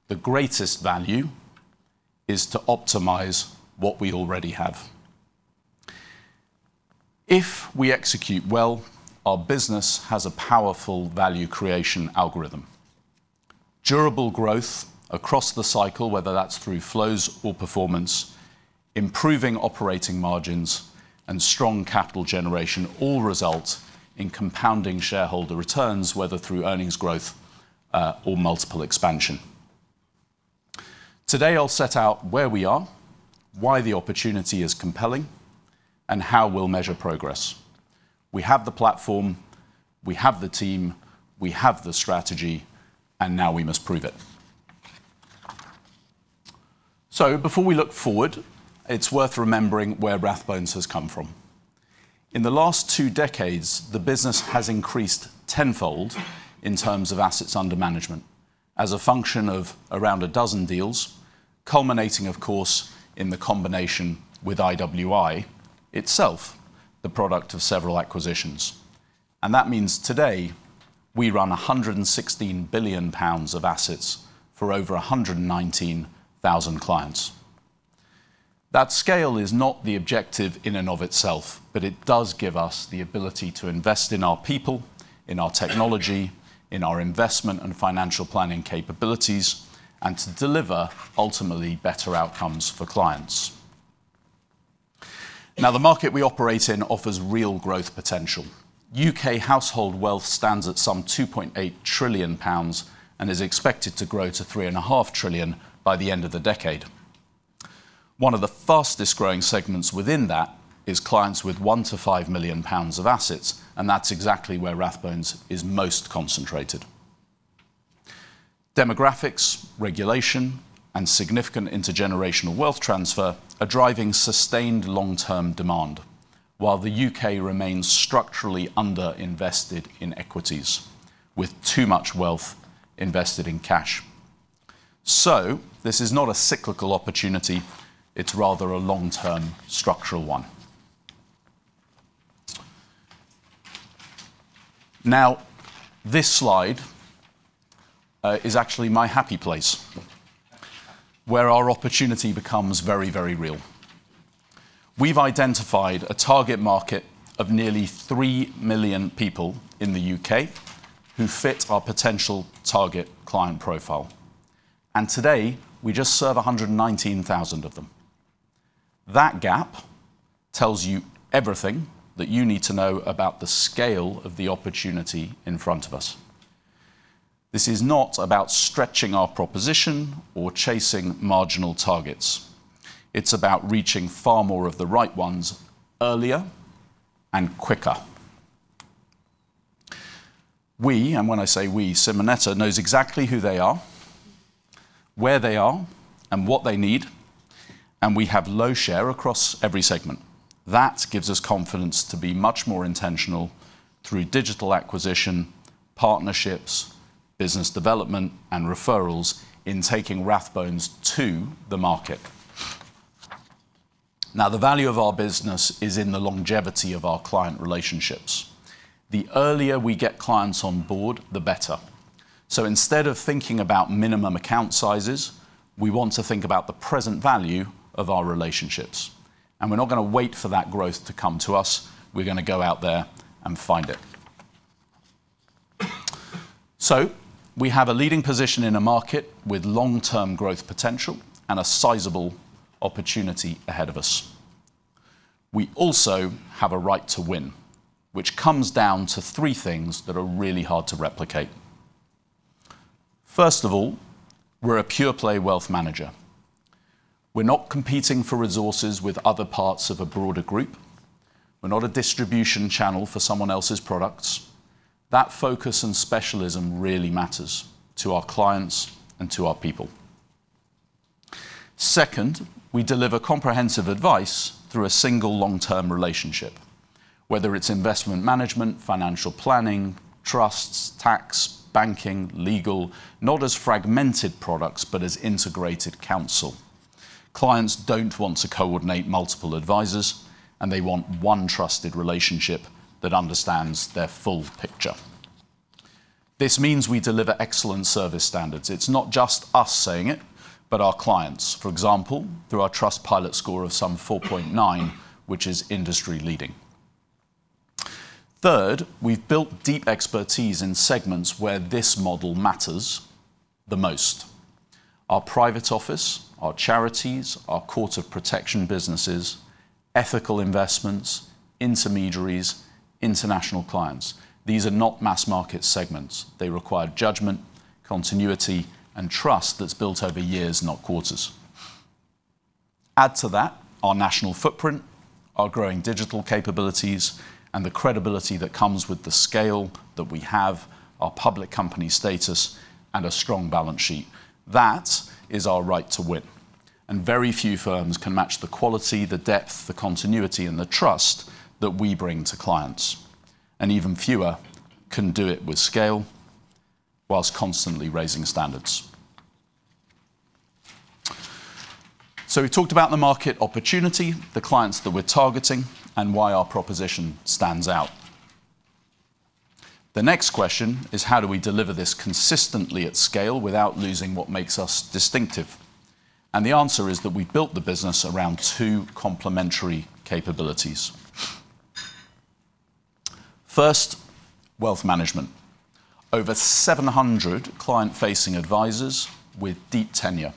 the greatest value is to optimize what we already have. If we execute well, our business has a powerful value creation algorithm. Durable growth across the cycle, whether that's through flows or performance, improving operating margins and strong capital generation, all result in compounding shareholder returns, whether through earnings growth or multiple expansion. Today, I'll set out where we are, why the opportunity is compelling, and how we'll measure progress. We have the platform, we have the team, we have the strategy, and now we must prove it. Before we look forward, it's worth remembering where Rathbones has come from. In the last two decades, the business has increased tenfold in terms of assets under management as a function of around a dozen deals, culminating, of course, in the combination with IWI, itself, the product of several acquisitions. That means today, we run 116 billion pounds of assets for over 119,000 clients. That scale is not the objective in and of itself, but it does give us the ability to invest in our people, in our technology, in our investment and financial planning capabilities, and to deliver ultimately better outcomes for clients. The market we operate in offers real growth potential. U.K. household wealth stands at some 2.8 trillion pounds and is expected to grow to 3.5 trillion by the end of the decade. One of the fastest growing segments within that is clients with 1 million-5 million pounds of assets. That's exactly where Rathbones is most concentrated. Demographics, regulation, and significant intergenerational wealth transfer are driving sustained long-term demand, while the U.K. remains structurally underinvested in equities, with too much wealth invested in cash. This is not a cyclical opportunity, it's rather a long-term structural one. This slide is actually my happy place, where our opportunity becomes very, very real. We've identified a target market of nearly 3 million people in the U.K. who fit our potential target client profile, and today we just serve 119,000 of them. That gap tells you everything that you need to know about the scale of the opportunity in front of us. This is not about stretching our proposition or chasing marginal targets. It's about reaching far more of the right ones earlier and quicker. We, and when I say we, Simonetta knows exactly who they are, where they are, and what they need, and we have low share across every segment. That gives us confidence to be much more intentional through digital acquisition, partnerships, business development, and referrals in taking Rathbones to the market. The value of our business is in the longevity of our client relationships. The earlier we get clients on board, the better. Instead of thinking about minimum account sizes, we want to think about the present value of our relationships, and we're not gonna wait for that growth to come to us. We're gonna go out there and find it. We have a leading position in a market with long-term growth potential and a sizable opportunity ahead of us. We also have a right to win, which comes down to three things that are really hard to replicate. First of all, we're a pure play wealth manager. We're not competing for resources with other parts of a broader group. We're not a distribution channel for someone else's products. That focus and specialism really matters to our clients and to our people. Second, we deliver comprehensive advice through a single long-term relationship. Whether it's investment management, financial planning, trusts, tax, banking, legal, not as fragmented products, but as integrated counsel. Clients don't want to coordinate multiple advisors, and they want one trusted relationship that understands their full picture. This means we deliver excellent service standards. It's not just us saying it, but our clients. For example, through our Trustpilot score of some 4.9, which is industry leading. Third, we've built deep expertise in segments where this model matters the most. Our private office, our charities, our Court of Protection businesses, ethical investments, intermediaries, international clients, these are not mass market segments. They require judgment, continuity, and trust that's built over years, not quarters. Add to that our national footprint, our growing digital capabilities, and the credibility that comes with the scale that we have, our public company status, and a strong balance sheet. That is our right to win. Very few firms can match the quality, the depth, the continuity, and the trust that we bring to clients, and even fewer can do it with scale while constantly raising standards. We talked about the market opportunity, the clients that we're targeting, and why our proposition stands out. The next question is: how do we deliver this consistently at scale without losing what makes us distinctive? The answer is that we built the business around two complementary capabilities. First, wealth management. Over 700 client-facing advisors with deep tenure.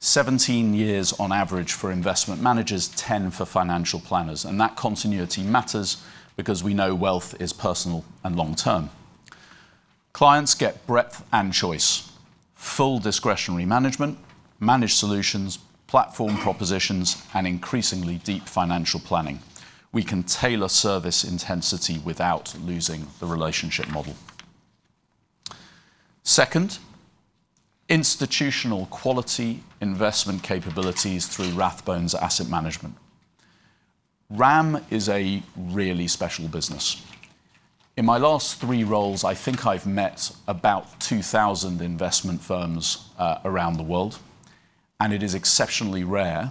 17 years on average for investment managers, 10 for financial planners, and that continuity matters because we know wealth is personal and long-term. Clients get breadth and choice, full discretionary management, managed solutions, platform propositions, and increasingly deep financial planning. We can tailor service intensity without losing the relationship model. Second, institutional quality investment capabilities through Rathbones Asset Management. RAM is a really special business. In my last three roles, I think I've met about 2,000 investment firms around the world. It is exceptionally rare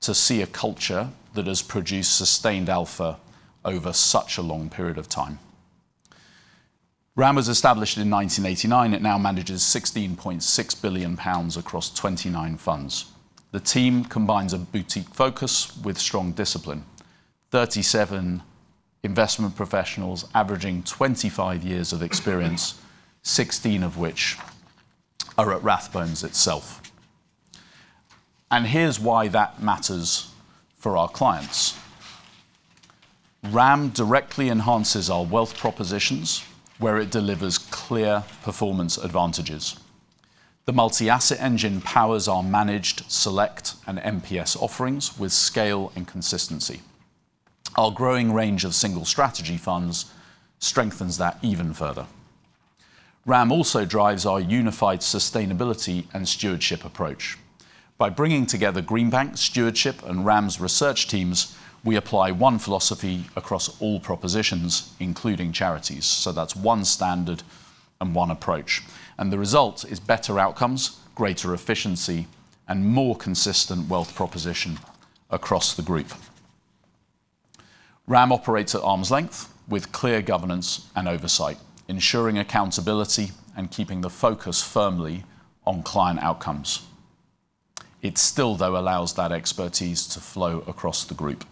to see a culture that has produced sustained alpha over such a long period of time. RAM was established in 1989. It now manages 16.6 billion pounds across 29 funds. The team combines a boutique focus with strong discipline. 37 investment professionals averaging 25 years of experience, 16 of which are at Rathbones itself. Here's why that matters for our clients. RAM directly enhances our wealth propositions, where it delivers clear performance advantages. The multi-asset engine powers our managed, select, and MPS offerings with scale and consistency. Our growing range of single strategy funds strengthens that even further. RAM also drives our unified sustainability and stewardship approach. By bringing together Greenbank, stewardship, and RAM's research teams, we apply one philosophy across all propositions, including charities. That's one standard and one approach, and the result is better outcomes, greater efficiency, and more consistent wealth proposition across the group. RAM operates at arm's length with clear governance and oversight, ensuring accountability and keeping the focus firmly on client outcomes. It still, though, allows that expertise to flow across the group.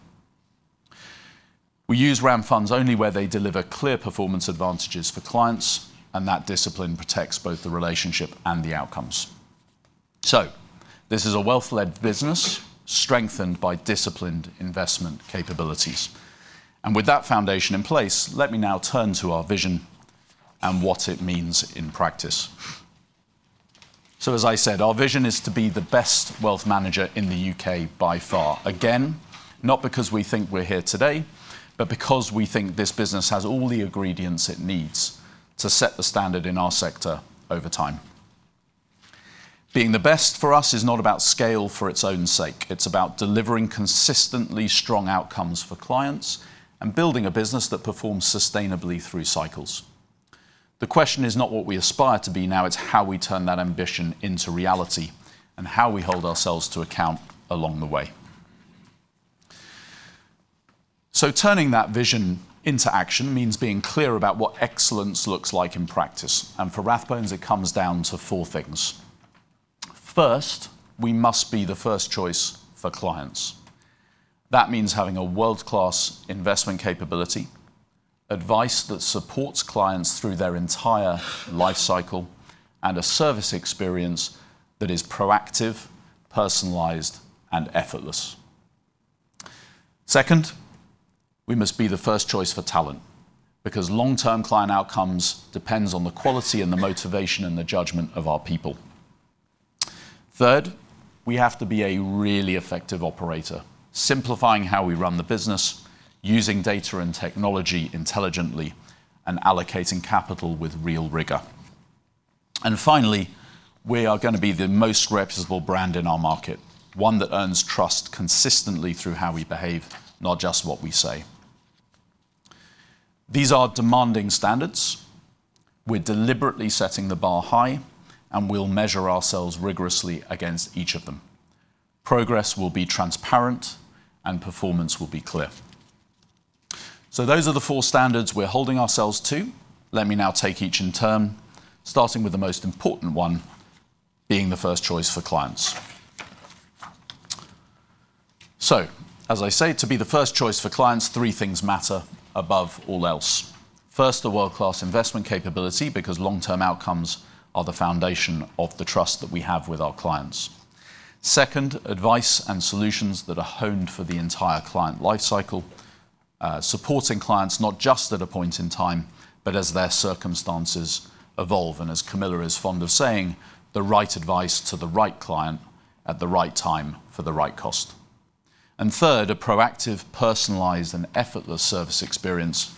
We use RAM funds only where they deliver clear performance advantages for clients, and that discipline protects both the relationship and the outcomes. This is a wealth-led business, strengthened by disciplined investment capabilities, and with that foundation in place, let me now turn to our vision and what it means in practice. As I said, our vision is to be the best wealth manager in the U.K. by far. Not because we think we're here today, but because we think this business has all the ingredients it needs to set the standard in our sector over time. Being the best for us is not about scale for its own sake. It's about delivering consistently strong outcomes for clients and building a business that performs sustainably through cycles. The question is not what we aspire to be now, it's how we turn that ambition into reality and how we hold ourselves to account along the way. Turning that vision into action means being clear about what excellence looks like in practice, and for Rathbones, it comes down to four things. First, we must be the first choice for clients. That means having a world-class investment capability, advice that supports clients through their entire life cycle, and a service experience that is proactive, personalized, and effortless. Second, we must be the first choice for talent, because long-term client outcomes depends on the quality and the motivation and the judgment of our people. Third, we have to be a really effective operator, simplifying how we run the business, using data and technology intelligently, and allocating capital with real rigor. Finally, we are gonna be the most reputable brand in our market, one that earns trust consistently through how we behave, not just what we say. These are demanding standards. We're deliberately setting the bar high, and we'll measure ourselves rigorously against each of them. Progress will be transparent, and performance will be clear. Those are the four standards we're holding ourselves to. Let me now take each in turn, starting with the most important one, being the first choice for clients. As I say, to be the first choice for clients, three things matter above all else. First, a world-class investment capability, because long-term outcomes are the foundation of the trust that we have with our clients. Second, advice and solutions that are honed for the entire client life cycle, supporting clients not just at a point in time, but as their circumstances evolve. As Camilla is fond of saying, "The right advice to the right client at the right time for the right cost." Third, a proactive, personalized, and effortless service experience,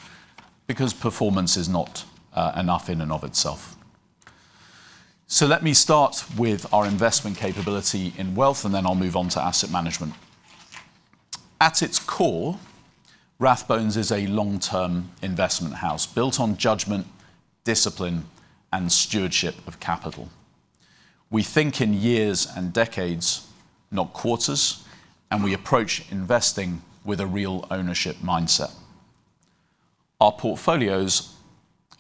because performance is not enough in and of itself. Let me start with our investment capability in wealth, and then I'll move on to asset management. At its core, Rathbones is a long-term investment house built on judgment, discipline, and stewardship of capital. We think in years and decades, not quarters, and we approach investing with a real ownership mindset. Our portfolios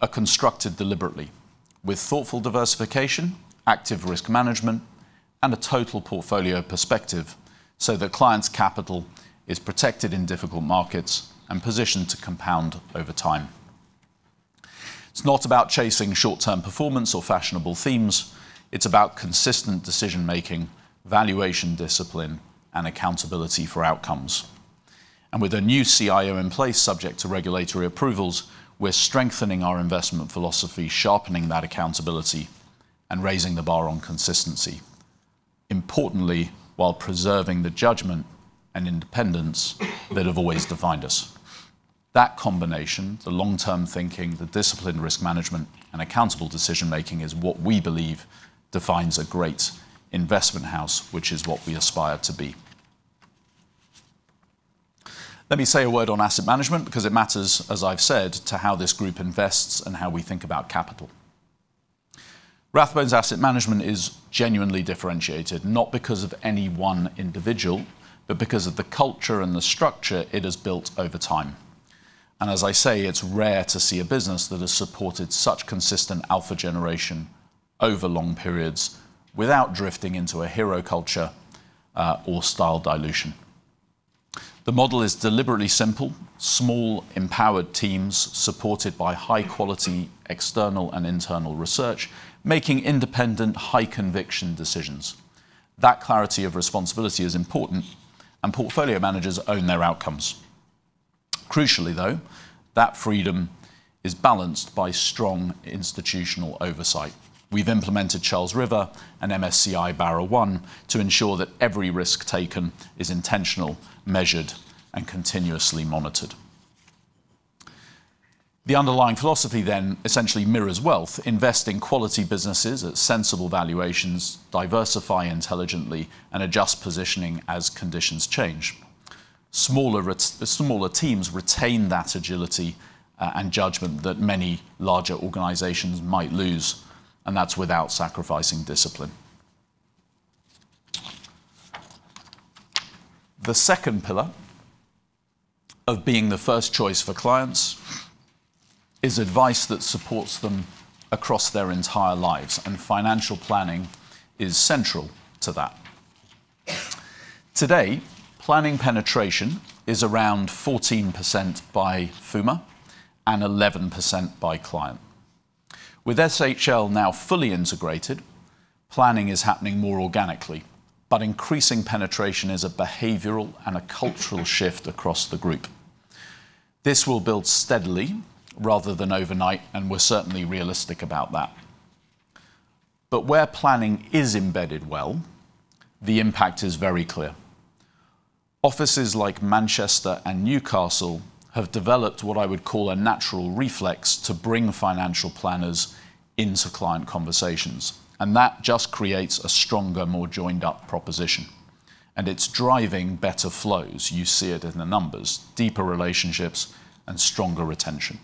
are constructed deliberately with thoughtful diversification, active risk management, and a total portfolio perspective, so that clients' capital is protected in difficult markets and positioned to compound over time. It's not about chasing short-term performance or fashionable themes. It's about consistent decision-making, valuation discipline, and accountability for outcomes. With a new CIO in place, subject to regulatory approvals, we're strengthening our investment philosophy, sharpening that accountability, and raising the bar on consistency, importantly, while preserving the judgment and independence that have always defined us. That combination, the long-term thinking, the disciplined risk management, and accountable decision-making, is what we believe defines a great investment house, which is what we aspire to be. Let me say a word on asset management, because it matters, as I've said, to how this group invests and how we think about capital. Rathbones Asset Management is genuinely differentiated, not because of any one individual, but because of the culture and the structure it has built over time. As I say, it's rare to see a business that has supported such consistent alpha generation over long periods without drifting into a hero culture or style dilution. The model is deliberately simple, small, empowered teams, supported by high quality, external and internal research, making independent, high conviction decisions. That clarity of responsibility is important. Portfolio managers own their outcomes. Crucially, though, that freedom is balanced by strong institutional oversight. We've implemented Charles River and MSCI BarraOne to ensure that every risk taken is intentional, measured, and continuously monitored. The underlying philosophy then essentially mirrors wealth, invest in quality businesses at sensible valuations, diversify intelligently, and adjust positioning as conditions change. The smaller teams retain that agility and judgment that many larger organizations might lose, and that's without sacrificing discipline. The second pillar of being the first choice for clients is advice that supports them across their entire lives, and financial planning is central to that. Today, planning penetration is around 14% by FUMA and 11% by client. With SHL now fully integrated, planning is happening more organically, but increasing penetration is a behavioral and a cultural shift across the group. This will build steadily rather than overnight, and we're certainly realistic about that. But where planning is embedded well, the impact is very clear. Offices like Manchester and Newcastle have developed what I would call a natural reflex to bring financial planners into client conversations. That just creates a stronger, more joined-up proposition, and it's driving better flows. You see it in the numbers, deeper relationships and stronger retention.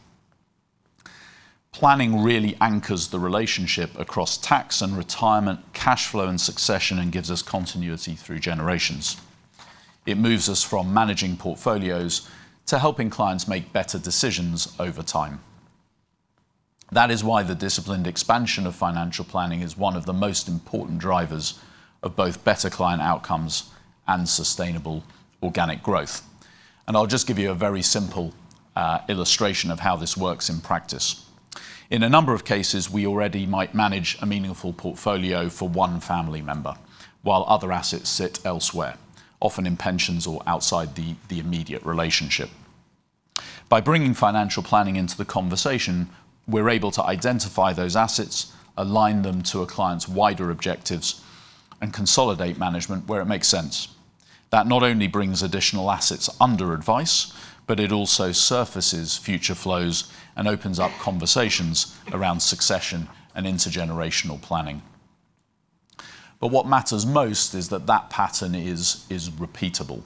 Planning really anchors the relationship across tax and retirement, cash flow and succession, and gives us continuity through generations. It moves us from managing portfolios to helping clients make better decisions over time. That is why the disciplined expansion of financial planning is one of the most important drivers of both better client outcomes and sustainable organic growth. I'll just give you a very simple illustration of how this works in practice. In a number of cases, we already might manage a meaningful portfolio for one family member, while other assets sit elsewhere, often in pensions or outside the immediate relationship. By bringing financial planning into the conversation, we're able to identify those assets, align them to a client's wider objectives, and consolidate management where it makes sense. That not only brings additional assets under advice, but it also surfaces future flows and opens up conversations around succession and intergenerational planning. What matters most is that that pattern is repeatable.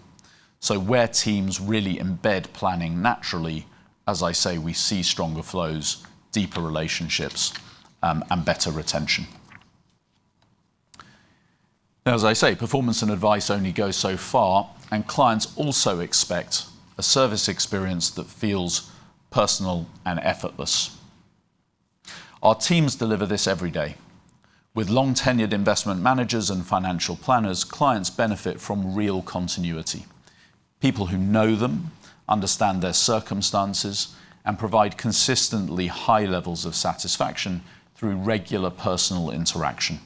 Where teams really embed planning naturally, as I say, we see stronger flows, deeper relationships, and better retention. Now, as I say, performance and advice only go so far, and clients also expect a service experience that feels personal and effortless. Our teams deliver this every day. With long-tenured investment managers and financial planners, clients benefit from real continuity. People who know them, understand their circumstances, and provide consistently high levels of satisfaction through regular personal interaction.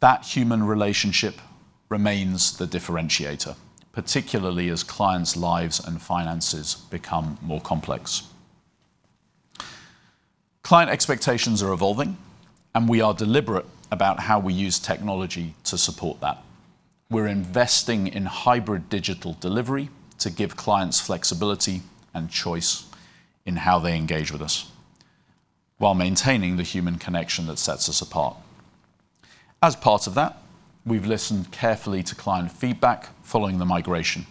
That human relationship remains the differentiator, particularly as clients' lives and finances become more complex. Client expectations are evolving, we are deliberate about how we use technology to support that. We're investing in hybrid digital delivery to give clients flexibility and choice in how they engage with us, while maintaining the human connection that sets us apart. As part of that, we've listened carefully to client feedback following the migration.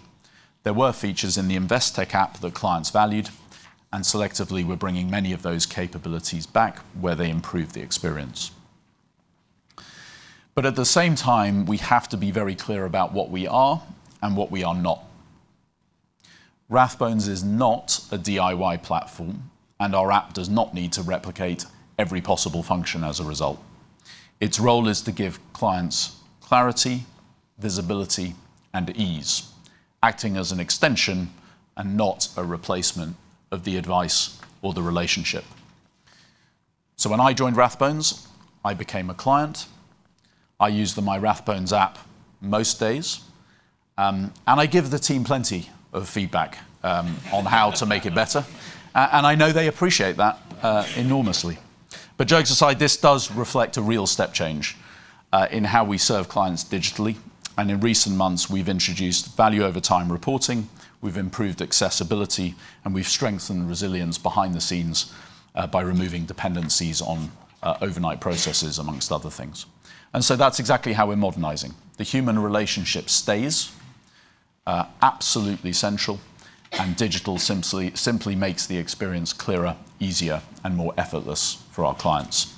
There were features in the Investec app that clients valued, and selectively, we're bringing many of those capabilities back where they improve the experience. At the same time, we have to be very clear about what we are and what we are not. Rathbones is not a DIY platform, and our app does not need to replicate every possible function as a result. Its role is to give clients clarity, visibility, and ease, acting as an extension and not a replacement of the advice or the relationship. When I joined Rathbones, I became a client. I use the MyRathbones app most days, and I give the team plenty of feedback on how to make it better, and I know they appreciate that enormously. Jokes aside, this does reflect a real step change in how we serve clients digitally, and in recent months, we've introduced value over time reporting, we've improved accessibility, and we've strengthened resilience behind the scenes by removing dependencies on overnight processes, amongst other things. That's exactly how we're modernizing. The human relationship stays absolutely central, and digital simply makes the experience clearer, easier, and more effortless for our clients.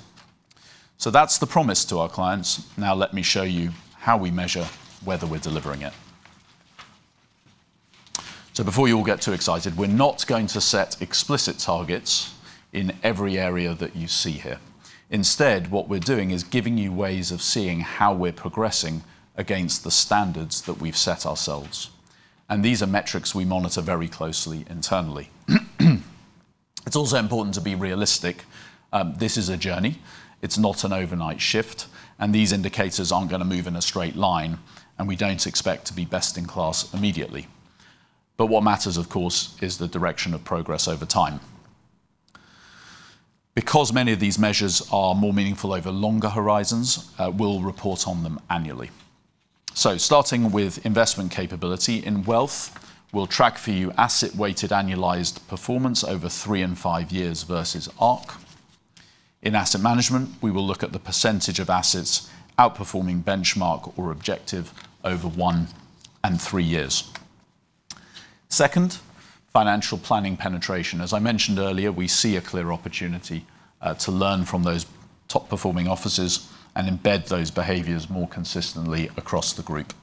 That's the promise to our clients. Let me show you how we measure whether we're delivering it. Before you all get too excited, we're not going to set explicit targets in every area that you see here. Instead, what we're doing is giving you ways of seeing how we're progressing against the standards that we've set ourselves, and these are metrics we monitor very closely internally. It's also important to be realistic. This is a journey. It's not an overnight shift, and these indicators aren't gonna move in a straight line, and we don't expect to be best in class immediately. What matters, of course, is the direction of progress over time. Because many of these measures are more meaningful over longer horizons, we'll report on them annually. Starting with investment capability in wealth, we'll track for you asset-weighted annualized performance over three and five years versus ARC. In asset management, we will look at the percentage of assets outperforming benchmark or objective over one and three years. Second, financial planning penetration. As I mentioned earlier, we see a clear opportunity to learn from those top-performing offices and embed those behaviors more consistently across the Group.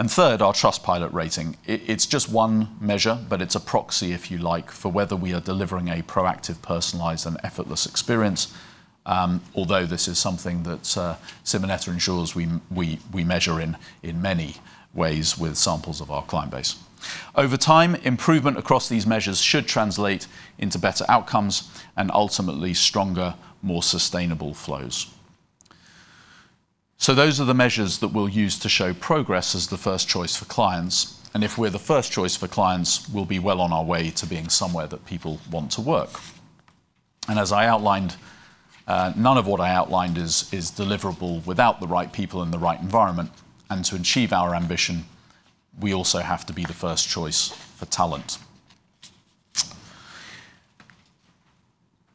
Third, our Trustpilot rating. It's just one measure, but it's a proxy, if you like, for whether we are delivering a proactive, personalized, and effortless experience, although this is something that Simonetta ensures we measure in many ways with samples of our client base. Over time, improvement across these measures should translate into better outcomes and ultimately stronger, more sustainable flows. Those are the measures that we'll use to show progress as the first choice for clients, and if we're the first choice for clients, we'll be well on our way to being somewhere that people want to work. As I outlined, none of what I outlined is deliverable without the right people and the right environment, and to achieve our ambition, we also have to be the first choice for talent.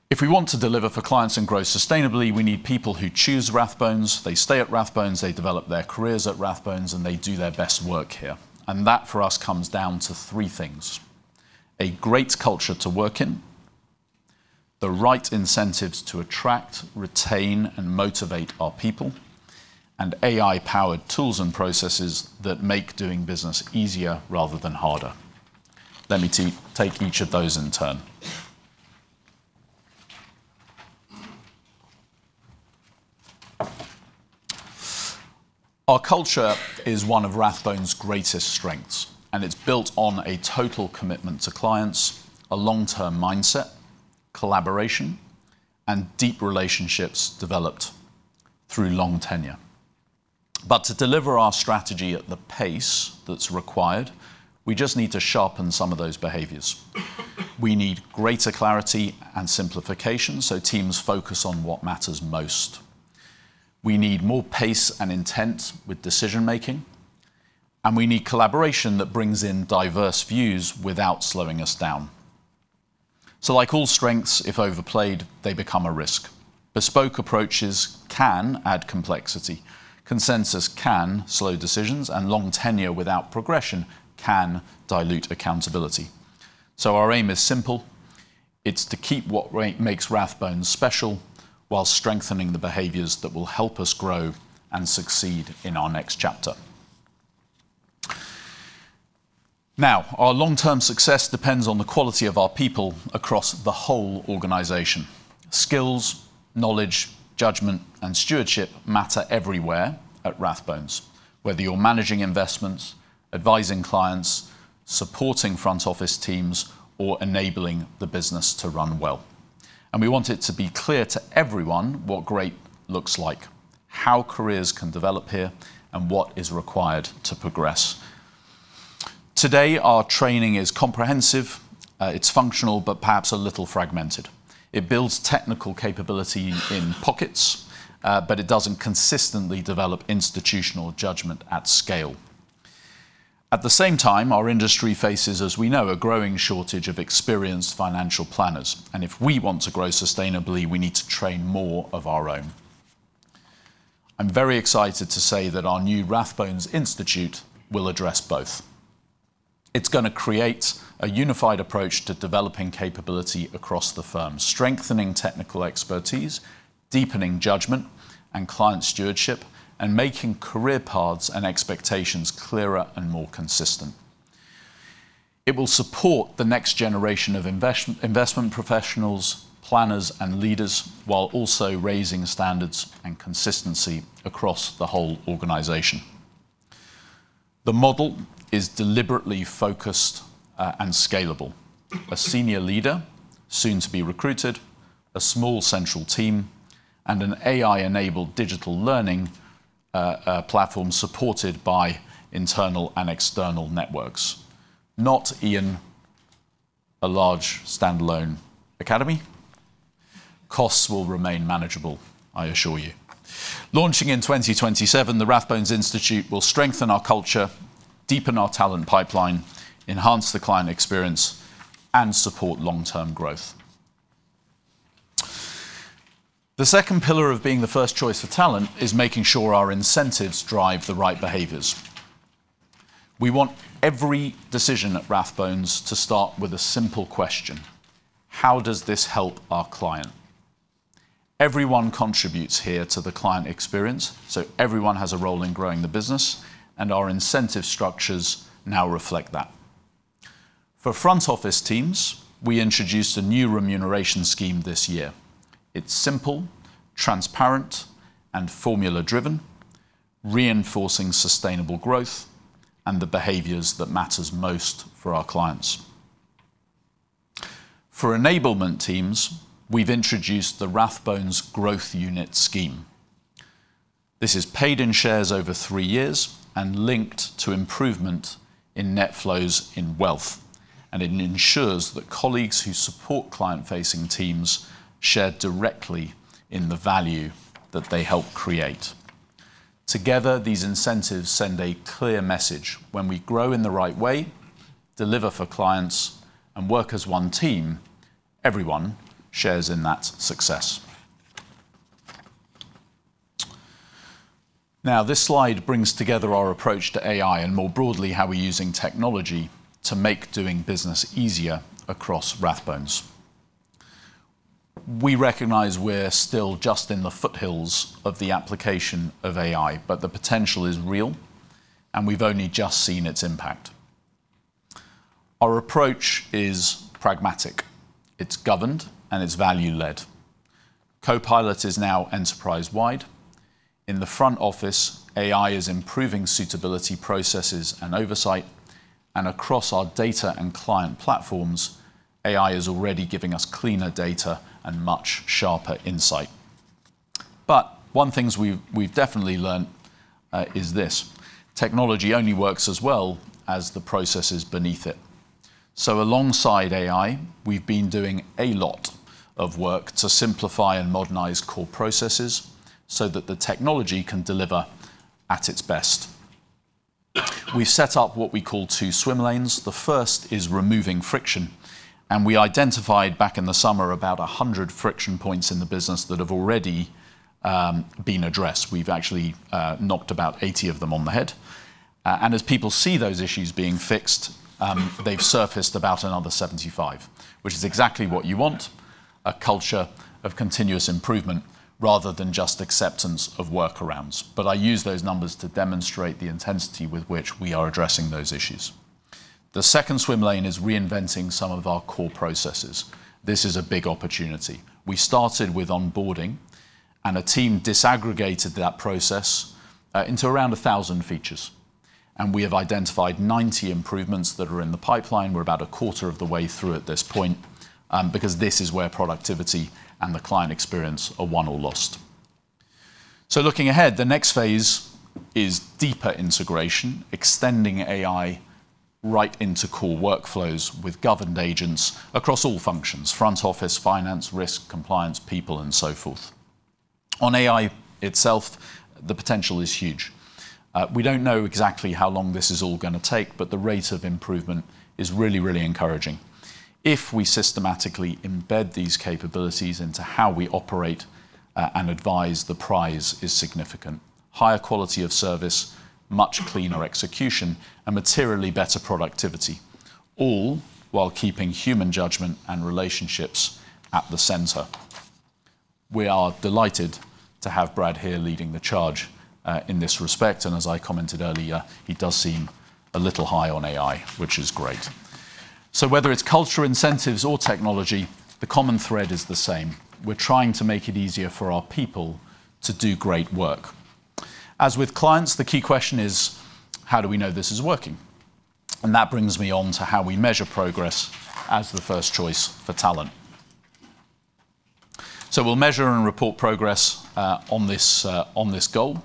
If we want to deliver for clients and grow sustainably, we need people who choose Rathbones, they stay at Rathbones, they develop their careers at Rathbones, and they do their best work here. That, for us, comes down to three things: a great culture to work in, the right incentives to attract, retain, and motivate our people, and AI-powered tools and processes that make doing business easier rather than harder. Let me take each of those in turn. Our culture is one of Rathbones' greatest strengths, and it's built on a total commitment to clients, a long-term mindset, collaboration, and deep relationships developed through long tenure. To deliver our strategy at the pace that's required, we just need to sharpen some of those behaviors. We need greater clarity and simplification, so teams focus on what matters most. We need more pace and intent with decision-making, and we need collaboration that brings in diverse views without slowing us down. Like all strengths, if overplayed, they become a risk. Bespoke approaches can add complexity, consensus can slow decisions, and long tenure without progression can dilute accountability. Our aim is simple: it's to keep what makes Rathbones special, while strengthening the behaviors that will help us grow and succeed in our next chapter. Now, our long-term success depends on the quality of our people across the whole organization. Skills, knowledge, judgment, and stewardship matter everywhere at Rathbones, whether you're managing investments, advising clients, supporting front office teams, or enabling the business to run well. We want it to be clear to everyone what great looks like, how careers can develop here, and what is required to progress. Today, our training is comprehensive, it's functional, but perhaps a little fragmented. It builds technical capability in pockets, but it doesn't consistently develop institutional judgment at scale. At the same time, our industry faces, as we know, a growing shortage of experienced financial planners, if we want to grow sustainably, we need to train more of our own. I'm very excited to say that our new Rathbones Institute will address both. It's gonna create a unified approach to developing capability across the firm, strengthening technical expertise, deepening judgment and client stewardship, and making career paths and expectations clearer and more consistent. It will support the next generation of investment professionals, planners, and leaders, while also raising standards and consistency across the whole organization. The model is deliberately focused and scalable. A senior leader, soon to be recruited, a small central team, and an AI-enabled digital learning platform, supported by internal and external networks. Not in a large standalone academy. Costs will remain manageable, I assure you. Launching in 2027, the Rathbones Institute will strengthen our culture, deepen our talent pipeline, enhance the client experience, and support long-term growth. The second pillar of being the first choice for talent is making sure our incentives drive the right behaviors. We want every decision at Rathbones to start with a simple question: How does this help our client? Everyone contributes here to the client experience, so everyone has a role in growing the business, and our incentive structures now reflect that. For front office teams, we introduced a new remuneration scheme this year. It's simple, transparent, and formula-driven, reinforcing sustainable growth and the behaviors that matters most for our clients. For enablement teams, we've introduced the Rathbones Growth Unit Scheme. This is paid in shares over three years and linked to improvement in net flows in wealth, and it ensures that colleagues who support client-facing teams share directly in the value that they help create. Together, these incentives send a clear message: when we grow in the right way, deliver for clients, and work as one team, everyone shares in that success. This slide brings together our approach to AI and, more broadly, how we're using technology to make doing business easier across Rathbones. We recognize we're still just in the foothills of the application of AI, but the potential is real, and we've only just seen its impact. Our approach is pragmatic, it's governed, and it's value-led. Copilot is now enterprise-wide. In the front office, AI is improving suitability, processes, and oversight, and across our data and client platforms, AI is already giving us cleaner data and much sharper insight. One things we've definitely learnt is this: technology only works as well as the processes beneath it. Alongside AI, we've been doing a lot of work to simplify and modernize core processes so that the technology can deliver at its best. We've set up what we call two swim lanes. The first is removing friction, and we identified, back in the summer, about 100 friction points in the business that have already been addressed. We've actually knocked about 80 of them on the head. As people see those issues being fixed, they've surfaced about another 75, which is exactly what you want, a culture of continuous improvement rather than just acceptance of workarounds. I use those numbers to demonstrate the intensity with which we are addressing those issues. The second swim lane is reinventing some of our core processes. This is a big opportunity. We started with onboarding, and a team disaggregated that process into around 1,000 features. We have identified 90 improvements that are in the pipeline. We're about a quarter of the way through at this point, because this is where productivity and the client experience are won or lost. Looking ahead, the next phase is deeper integration, extending AI right into core workflows with governed agents across all functions: front office, finance, risk, compliance, people, and so forth. On AI itself, the potential is huge. We don't know exactly how long this is all gonna take, but the rate of improvement is really, really encouraging. If we systematically embed these capabilities into how we operate, and advise, the prize is significant. Higher quality of service, much cleaner execution, and materially better productivity, all while keeping human judgment and relationships at the center. We are delighted to have Brad here leading the charge, in this respect. As I commented earlier, he does seem a little high on AI, which is great. Whether it's culture, incentives, or technology, the common thread is the same: We're trying to make it easier for our people to do great work. As with clients, the key question is: How do we know this is working? That brings me on to how we measure progress as the first choice for talent. We'll measure and report progress on this, on this goal.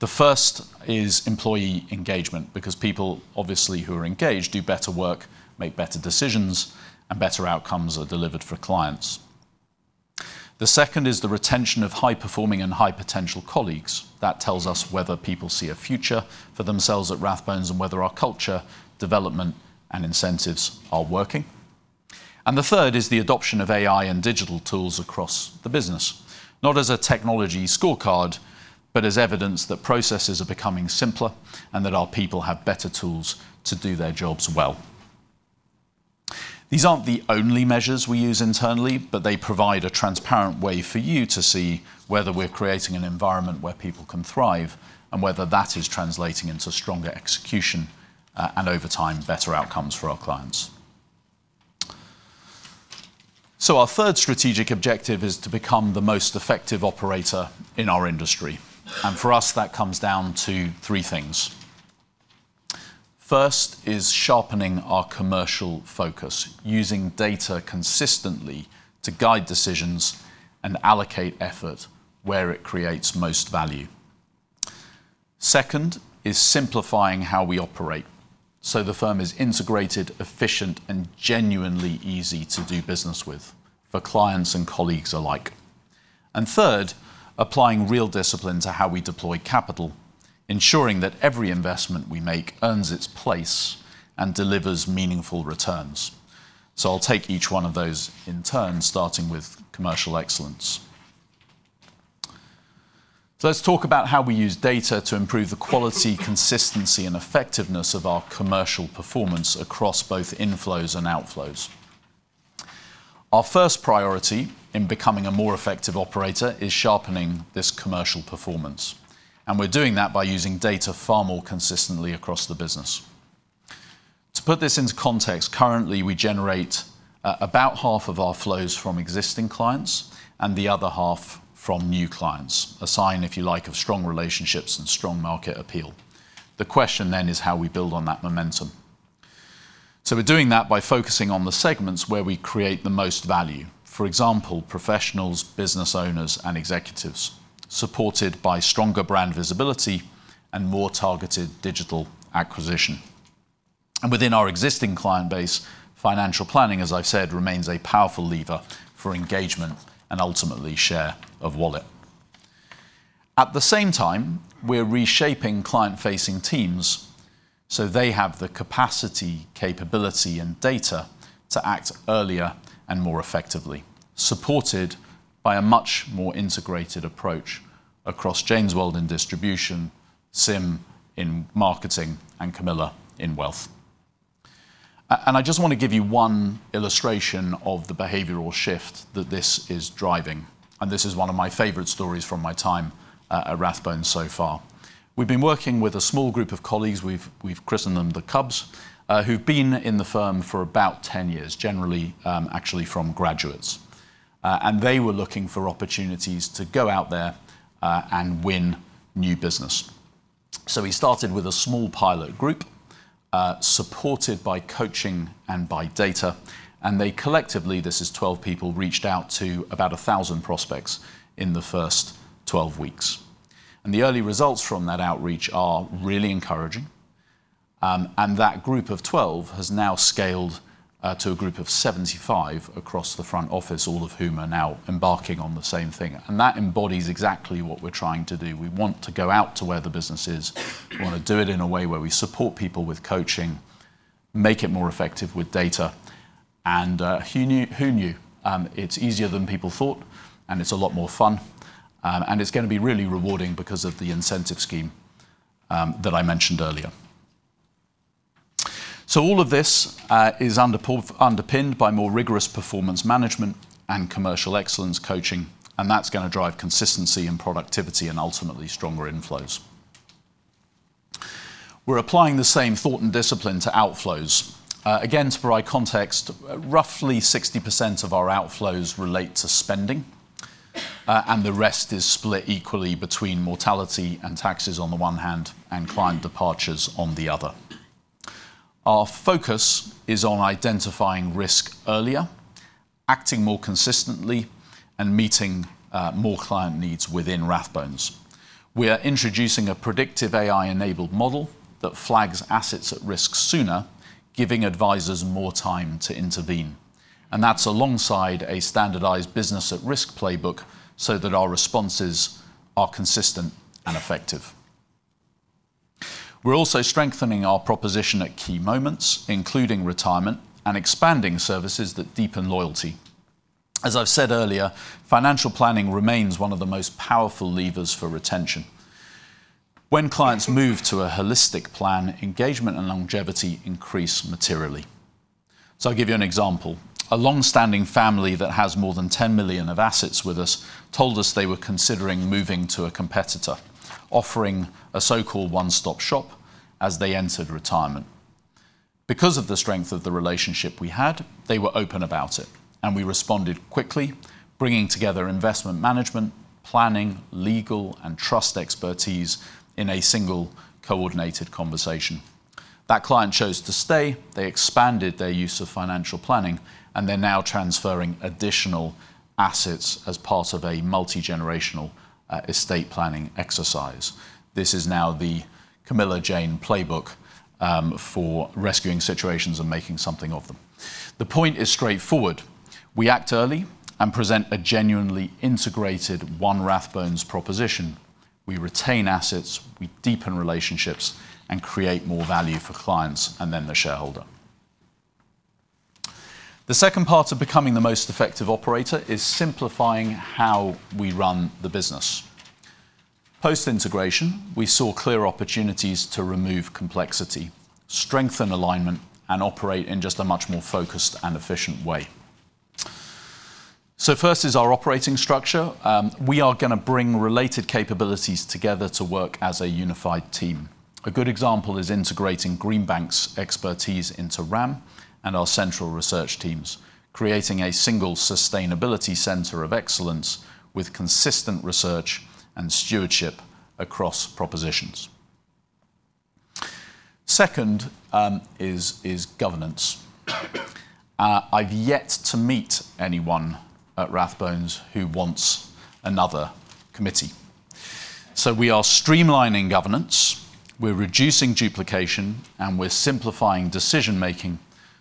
The first is employee engagement, because people, obviously, who are engaged do better work, make better decisions, and better outcomes are delivered for clients. The second is the retention of high-performing and high-potential colleagues. That tells us whether people see a future for themselves at Rathbones and whether our culture, development, and incentives are working. The third is the adoption of AI and digital tools across the business, not as a technology scorecard, but as evidence that processes are becoming simpler and that our people have better tools to do their jobs well. These aren't the only measures we use internally, but they provide a transparent way for you to see whether we're creating an environment where people can thrive, and whether that is translating into stronger execution, and over time, better outcomes for our clients. Our third strategic objective is to become the most effective operator in our industry, and for us, that comes down to three things. First is sharpening our commercial focus, using data consistently to guide decisions and allocate effort where it creates most value. Second is simplifying how we operate, so the firm is integrated, efficient, and genuinely easy to do business with for clients and colleagues alike. Third, applying real discipline to how we deploy capital, ensuring that every investment we make earns its place and delivers meaningful returns. I'll take each one of those in turn, starting with commercial excellence. Let's talk about how we use data to improve the quality, consistency, and effectiveness of our commercial performance across both inflows and outflows. Our first priority in becoming a more effective operator is sharpening this commercial performance, and we're doing that by using data far more consistently across the business. To put this into context, currently, we generate about half of our flows from existing clients and the other half from new clients. A sign, if you like, of strong relationships and strong market appeal. The question is how we build on that momentum. We're doing that by focusing on the segments where we create the most value, for example, professionals, business owners, and executives, supported by stronger brand visibility and more targeted digital acquisition. Within our existing client base, financial planning, as I've said, remains a powerful lever for engagement and ultimately share of wallet. At the same time, we're reshaping client-facing teams, so they have the capacity, capability, and data to act earlier and more effectively, supported by a much more integrated approach across James Ward in distribution, Sim in marketing, and Camilla in wealth. I just want to give you one illustration of the behavioral shift that this is driving, and this is one of my favorite stories from my time at Rathbones so far. We've been working with a small group of colleagues, we've christened them the Cubs, who've been in the firm for about 10 years, generally, actually from graduates. They were looking for opportunities to go out there and win new business. We started with a small pilot group, supported by coaching and by data, and they collectively, this is 12 people, reached out to about 1,000 prospects in the first 12 weeks. The early results from that outreach are really encouraging. That group of 12 has now scaled to a group of 75 across the front office, all of whom are now embarking on the same thing. That embodies exactly what we're trying to do. We want to go out to where the business is. We wanna do it in a way where we support people with coaching, make it more effective with data. Who knew, who knew? It's easier than people thought, and it's a lot more fun. It's gonna be really rewarding because of the incentive scheme that I mentioned earlier. All of this is underpinned by more rigorous performance management and commercial excellence coaching, and that's gonna drive consistency and productivity and ultimately stronger inflows. We're applying the same thought and discipline to outflows. Again, to provide context, roughly 60% of our outflows relate to spending. The rest is split equally between mortality and taxes on the one hand, and client departures on the other. Our focus is on identifying risk earlier, acting more consistently, and meeting more client needs within Rathbones. We are introducing a predictive AI-enabled model that flags assets at risk sooner, giving advisors more time to intervene, and that's alongside a standardized business at risk playbook so that our responses are consistent and effective. We're also strengthening our proposition at key moments, including retirement, and expanding services that deepen loyalty. As I've said earlier, financial planning remains one of the most powerful levers for retention. When clients move to a holistic plan, engagement and longevity increase materially. I'll give you an example. A long-standing family that has more than 10 million of assets with us told us they were considering moving to a competitor, offering a so-called one-stop shop as they entered retirement. Because of the strength of the relationship we had, they were open about it, and we responded quickly, bringing together investment management, planning, legal, and trust expertise in a single coordinated conversation. That client chose to stay, they expanded their use of financial planning, and they're now transferring additional assets as part of a multi-generational estate planning exercise. This is now the Camilla-Jayne playbook for rescuing situations and making something of them. The point is straightforward: we act early and present a genuinely integrated one Rathbones proposition. We retain assets, we deepen relationships, and create more value for clients and then the shareholder. The second part of becoming the most effective operator is simplifying how we run the business. Post-integration, we saw clear opportunities to remove complexity, strengthen alignment, and operate in just a much more focused and efficient way. First is our operating structure. We are gonna bring related capabilities together to work as a unified team. A good example is integrating Greenbank's expertise into RAM and our central research teams, creating a single sustainability center of excellence with consistent research and stewardship across propositions. Second, governance. I've yet to meet anyone at Rathbones who wants another committee. We are streamlining governance, we're reducing duplication, and we're simplifying decision-making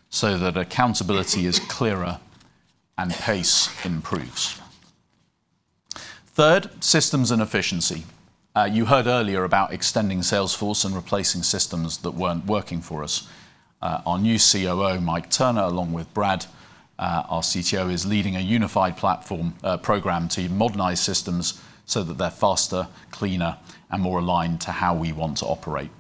so that accountability is clearer and pace improves. Third, systems and efficiency. You heard earlier about extending Salesforce and replacing systems that weren't working for us. Our new COO, Mike Turner, along with Brad, our CTO, is leading a unified platform program to modernize systems so that they're faster, cleaner, and more aligned to how we want to operate.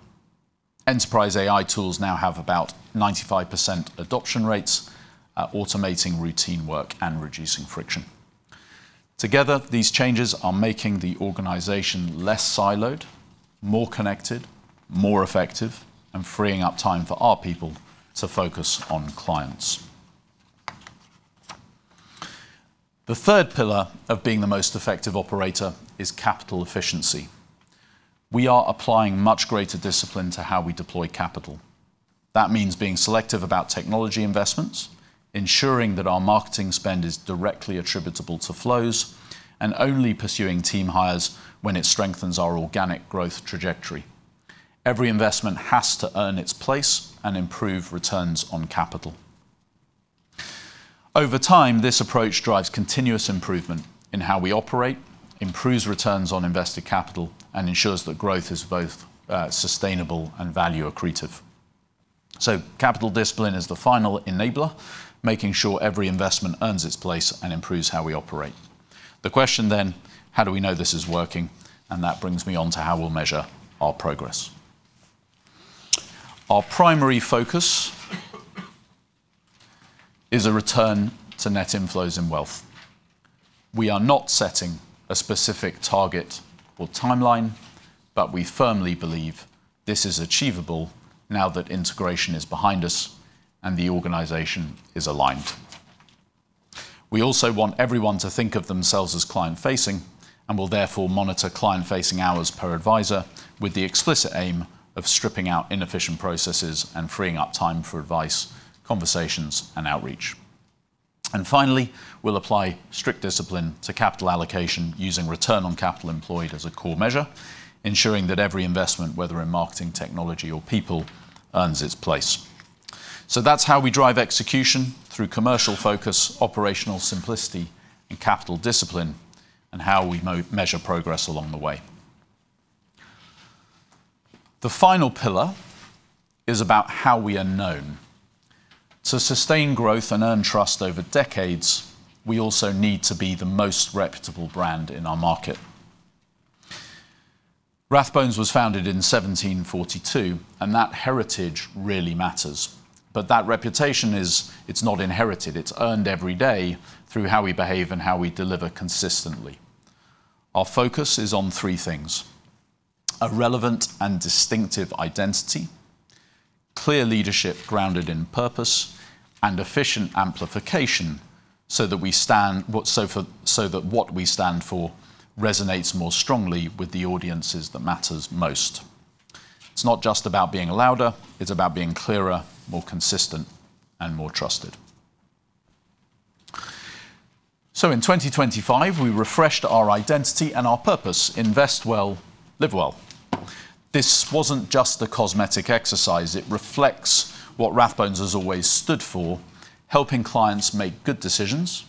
Enterprise AI tools now have about 95% adoption rates, automating routine work and reducing friction. Together, these changes are making the organization less siloed, more connected, more effective, and freeing up time for our people to focus on clients. The third pillar of being the most effective operator is capital efficiency. We are applying much greater discipline to how we deploy capital. That means being selective about technology investments, ensuring that our marketing spend is directly attributable to flows, and only pursuing team hires when it strengthens our organic growth trajectory. Every investment has to earn its place and improve returns on capital. Over time, this approach drives continuous improvement in how we operate, improves returns on invested capital, and ensures that growth is both sustainable and value accretive. Capital discipline is the final enabler, making sure every investment earns its place and improves how we operate. The question then: How do we know this is working? That brings me on to how we'll measure our progress. Our primary focus is a return to net inflows and wealth. We are not setting a specific target or timeline, but we firmly believe this is achievable now that integration is behind us and the organization is aligned. We also want everyone to think of themselves as client-facing, and will therefore monitor client-facing hours per advisor, with the explicit aim of stripping out inefficient processes and freeing up time for advice, conversations, and outreach. Finally, we'll apply strict discipline to capital allocation, using return on capital employed as a core measure, ensuring that every investment, whether in marketing, technology, or people, earns its place. That's how we drive execution through commercial focus, operational simplicity and capital discipline, and how we measure progress along the way. The final pillar is about how we are known. To sustain growth and earn trust over decades, we also need to be the most reputable brand in our market. Rathbones was founded in 1742, and that heritage really matters. That reputation is. It's not inherited, it's earned every day through how we behave and how we deliver consistently. Our focus is on three things: a relevant and distinctive identity, clear leadership grounded in purpose and efficient amplification, so that what we stand for resonates more strongly with the audiences that matters most. It's not just about being louder, it's about being clearer, more consistent, and more trusted. In 2025, we refreshed our identity and our purpose: Invest well. Live well. This wasn't just a cosmetic exercise. It reflects what Rathbones has always stood for, helping clients make good decisions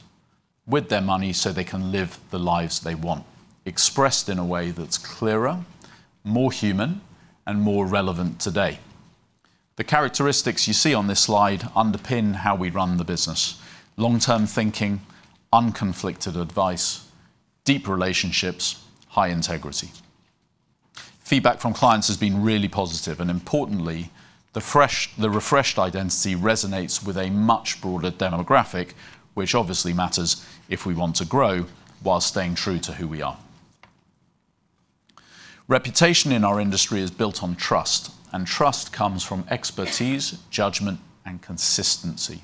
with their money so they can live the lives they want, expressed in a way that's clearer, more human, and more relevant today. The characteristics you see on this slide underpin how we run the business: long-term thinking, unconflicted advice, deep relationships, high integrity. Feedback from clients has been really positive, and importantly, the refreshed identity resonates with a much broader demographic, which obviously matters if we want to grow while staying true to who we are. Reputation in our industry is built on trust, and trust comes from expertise, judgment, and consistency.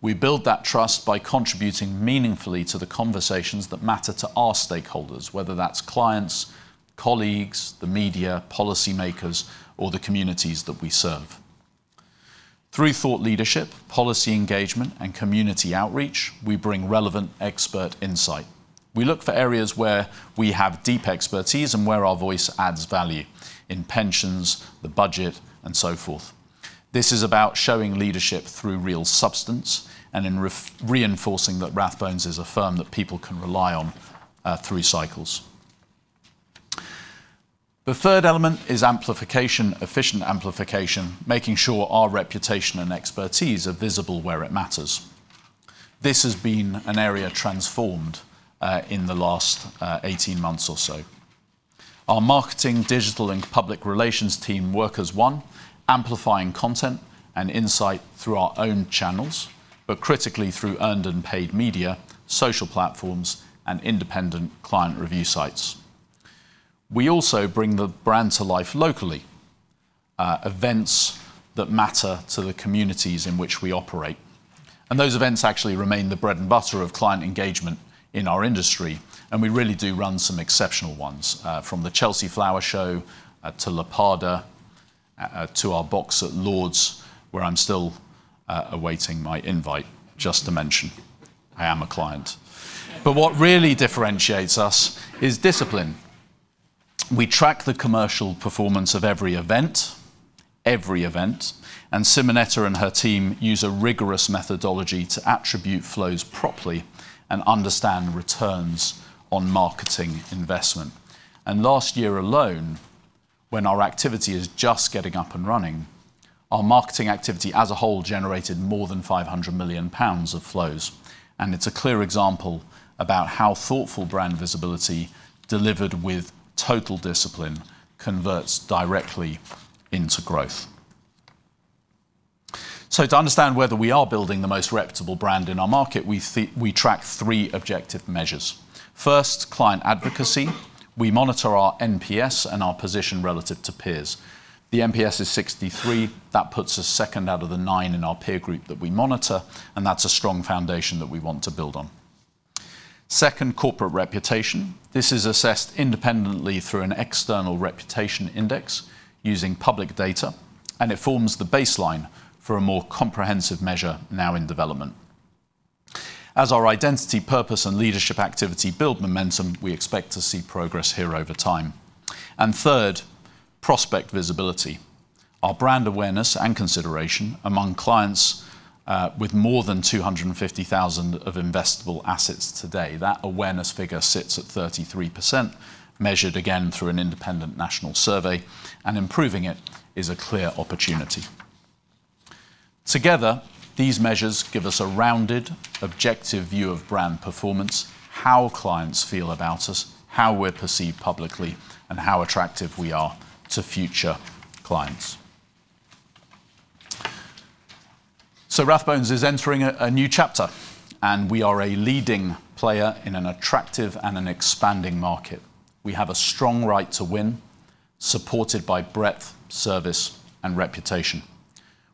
We build that trust by contributing meaningfully to the conversations that matter to our stakeholders, whether that's clients, colleagues, the media, policymakers, or the communities that we serve. Through thought leadership, policy engagement, and community outreach, we bring relevant expert insight. We look for areas where we have deep expertise and where our voice adds value, in pensions, the budget, and so forth. This is about showing leadership through real substance and reinforcing that Rathbones is a firm that people can rely on through cycles. The third element is amplification, efficient amplification, making sure our reputation and expertise are visible where it matters. This has been an area transformed in the last 18 months or so. Our marketing, digital, and public relations team work as one, amplifying content and insight through our own channels, critically through earned and paid media, social platforms, and independent client review sites. We also bring the brand to life locally, events that matter to the communities in which we operate. Those events actually remain the bread and butter of client engagement in our industry, and we really do run some exceptional ones, from the Chelsea Flower Show, to LAPADA, to our box at Lords, where I'm still awaiting my invite, just to mention. I am a client. What really differentiates us is discipline. We track the commercial performance of every event, and Simonetta and her team use a rigorous methodology to attribute flows properly and understand returns on marketing investment. Last year alone, when our activity is just getting up and running, our marketing activity as a whole generated more than 500 million pounds of flows, and it's a clear example about how thoughtful brand visibility delivered with total discipline converts directly into growth. To understand whether we are building the most reputable brand in our market, we track three objective measures. First, client advocacy. We monitor our NPS and our position relative to peers. The NPS is 63. That puts us second out of the nine in our peer group that we monitor, and that's a strong foundation that we want to build on. Second, corporate reputation. This is assessed independently through an external reputation index using public data, and it forms the baseline for a more comprehensive measure now in development. As our identity, purpose, and leadership activity build momentum, we expect to see progress here over time. Third, prospect visibility. Our brand awareness and consideration among clients, with more than 250,000 of investable assets today, that awareness figure sits at 33%, measured again through an independent national survey, and improving it is a clear opportunity. Together, these measures give us a rounded, objective view of brand performance, how clients feel about us, how we're perceived publicly, and how attractive we are to future clients. Rathbones is entering a new chapter, and we are a leading player in an attractive and an expanding market. We have a strong right to win, supported by breadth, service, and reputation.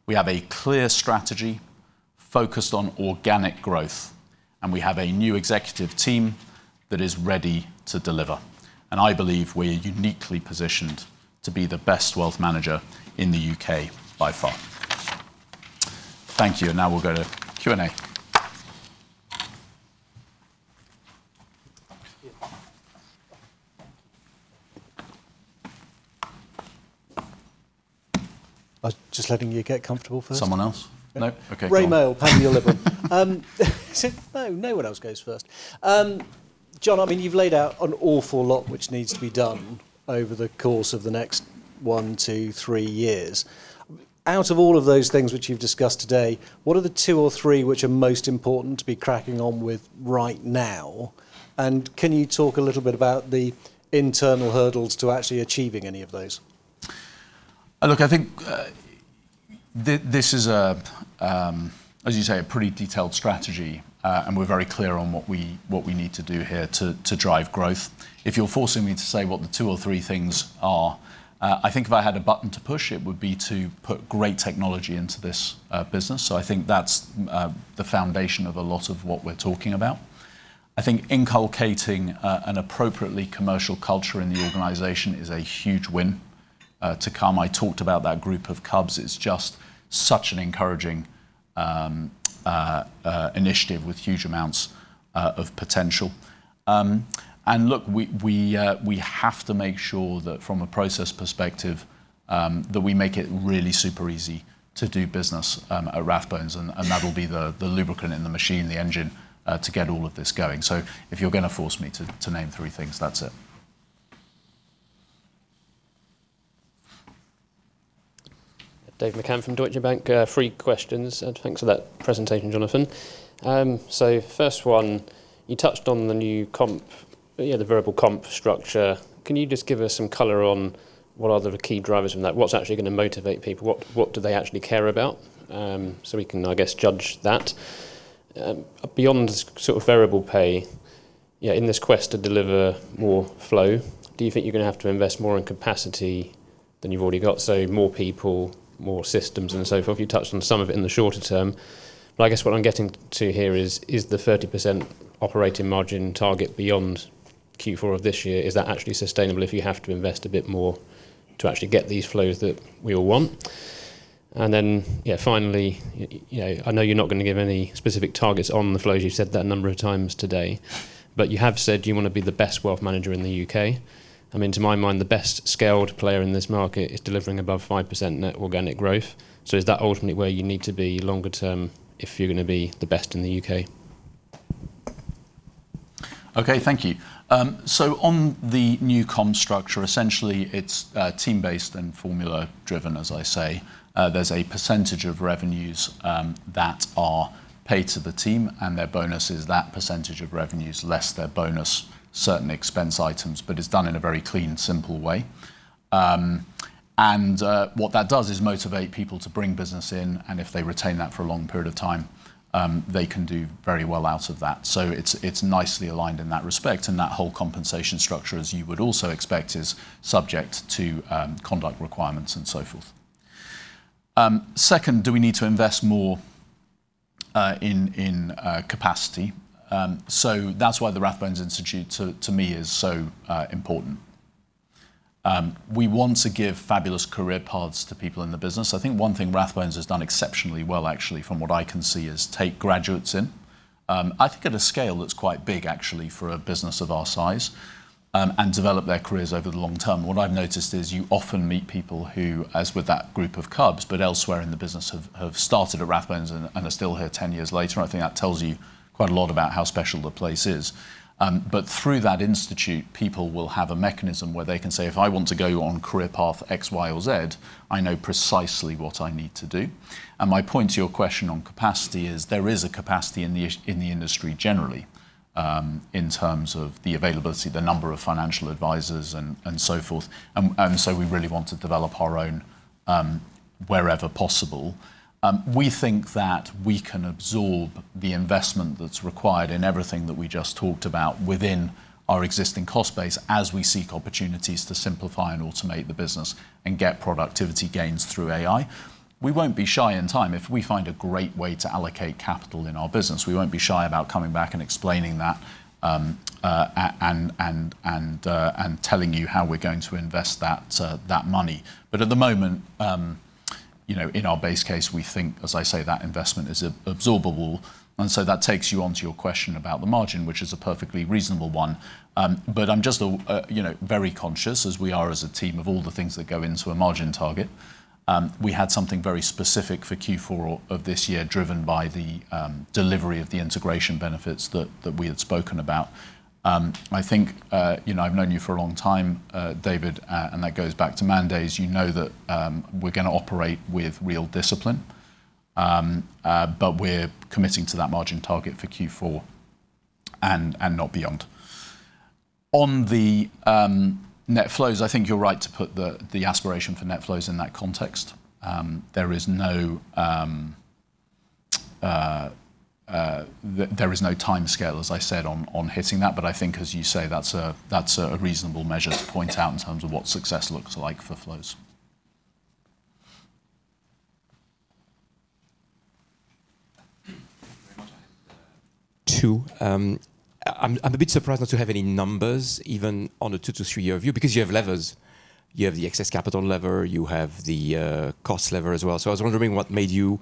We have a clear strategy focused on organic growth, and we have a new executive team that is ready to deliver. I believe we're uniquely positioned to be the best wealth manager in the U.K. by far. Thank you. Now we'll go to Q&A. I was just letting you get comfortable first. Someone else? No. Okay, cool. No, no one else goes first. Jon, I mean, you've laid out an awful lot which needs to be done over the course of the next one, two, three years. Out of all of those things which you've discussed today, what are the two or three which are most important to be cracking on with right now? Can you talk a little bit about the internal hurdles to actually achieving any of those? Look, I think this is, as you say, a pretty detailed strategy, and we're very clear on what we need to do here to drive growth. If you're forcing me to say what the two or three things are, I think if I had a button to push, it would be to put great technology into this business. I think that's the foundation of a lot of what we're talking about. I think inculcating an appropriately commercial culture in the organization is a huge win to come. I talked about that group of Cubs, it's just such an encouraging initiative with huge amounts of potential. Look, we have to make sure that from a process perspective, that we make it really super easy to do business at Rathbones. That will be the lubricant in the machine, the engine, to get all of this going. If you're gonna force me to name three things, that's it. David McCann from Deutsche Bank. Three questions, thanks for that presentation, Jonathan. First one, you touched on the new variable comp structure. Can you just give us some color on what are the key drivers from that? What's actually gonna motivate people? What do they actually care about? We can, I guess, judge that. Beyond sort of variable pay, yeah, in this quest to deliver more flow, do you think you're gonna have to invest more in capacity than you've already got, so more people, more systems, and so forth? You touched on some of it in the shorter term, but I guess what I'm getting to here is the 30% operating margin target beyond Q4 of this year, is that actually sustainable if you have to invest a bit more to actually get these flows that we all want? Then, yeah, finally, you know, I know you're not gonna give any specific targets on the flows. You've said that a number of times today, but you have said you wanna be the best wealth manager in the U.K. I mean, to my mind, the best scaled player in this market is delivering above 5% net organic growth. Is that ultimately where you need to be longer term if you're gonna be the best in the U.K.? Okay, thank you. On the new comp structure, essentially, it's team-based and formula-driven, as I say. There's a % of revenues that are paid to the team, and their bonus is that % of revenues, less their bonus, certain expense items, but it's done in a very clean, simple way. What that does is motivate people to bring business in, and if they retain that for a long period of time, they can do very well out of that. It's nicely aligned in that respect, and that whole compensation structure, as you would also expect, is subject to conduct requirements and so forth. Second, do we need to invest more in capacity? That's why the Rathbones Institute to me is so important. We want to give fabulous career paths to people in the business. I think one thing Rathbones has done exceptionally well, actually, from what I can see, is take graduates in, I think at a scale that's quite big, actually, for a business of our size, and develop their careers over the long term. What I've noticed is you often meet people who, as with that group of Cubs, but elsewhere in the business, have started at Rathbones and are still here 10 years later, and I think that tells you quite a lot about how special the place is. Through that Institute, people will have a mechanism where they can say: If I want to go on career path X, Y, or Z, I know precisely what I need to do. My point to your question on capacity is, there is a capacity in the industry generally, in terms of the availability, the number of financial advisors, and so forth, and so we really want to develop our own, wherever possible. We think that we can absorb the investment that's required in everything that we just talked about within our existing cost base as we seek opportunities to simplify and automate the business and get productivity gains through AI. We won't be shy in time. If we find a great way to allocate capital in our business, we won't be shy about coming back and explaining that, and telling you how we're going to invest that money. At the moment, you know, in our base case, we think, as I say, that investment is absorbable, and so that takes you onto your question about the margin, which is a perfectly reasonable one. I'm just, you know, very conscious, as we are as a team, of all the things that go into a margin target. We had something very specific for Q4 of this year, driven by the delivery of the integration benefits that we had spoken about. I think, you know, I've known you for a long time, David, and that goes back to mandates. You know that we're gonna operate with real discipline, but we're committing to that margin target for Q4 and not beyond. On the net flows, I think you're right to put the aspiration for net flows in that context. There is no timescale, as I said, on hitting that, but I think as you say, that's a, that's a reasonable measure to point out in terms of what success looks like for flows. Thank you very much. Two, I'm a bit surprised not to have any numbers, even on a 2-3-year view, because you have levers. You have the excess capital lever, you have the cost lever as well. I was wondering what made you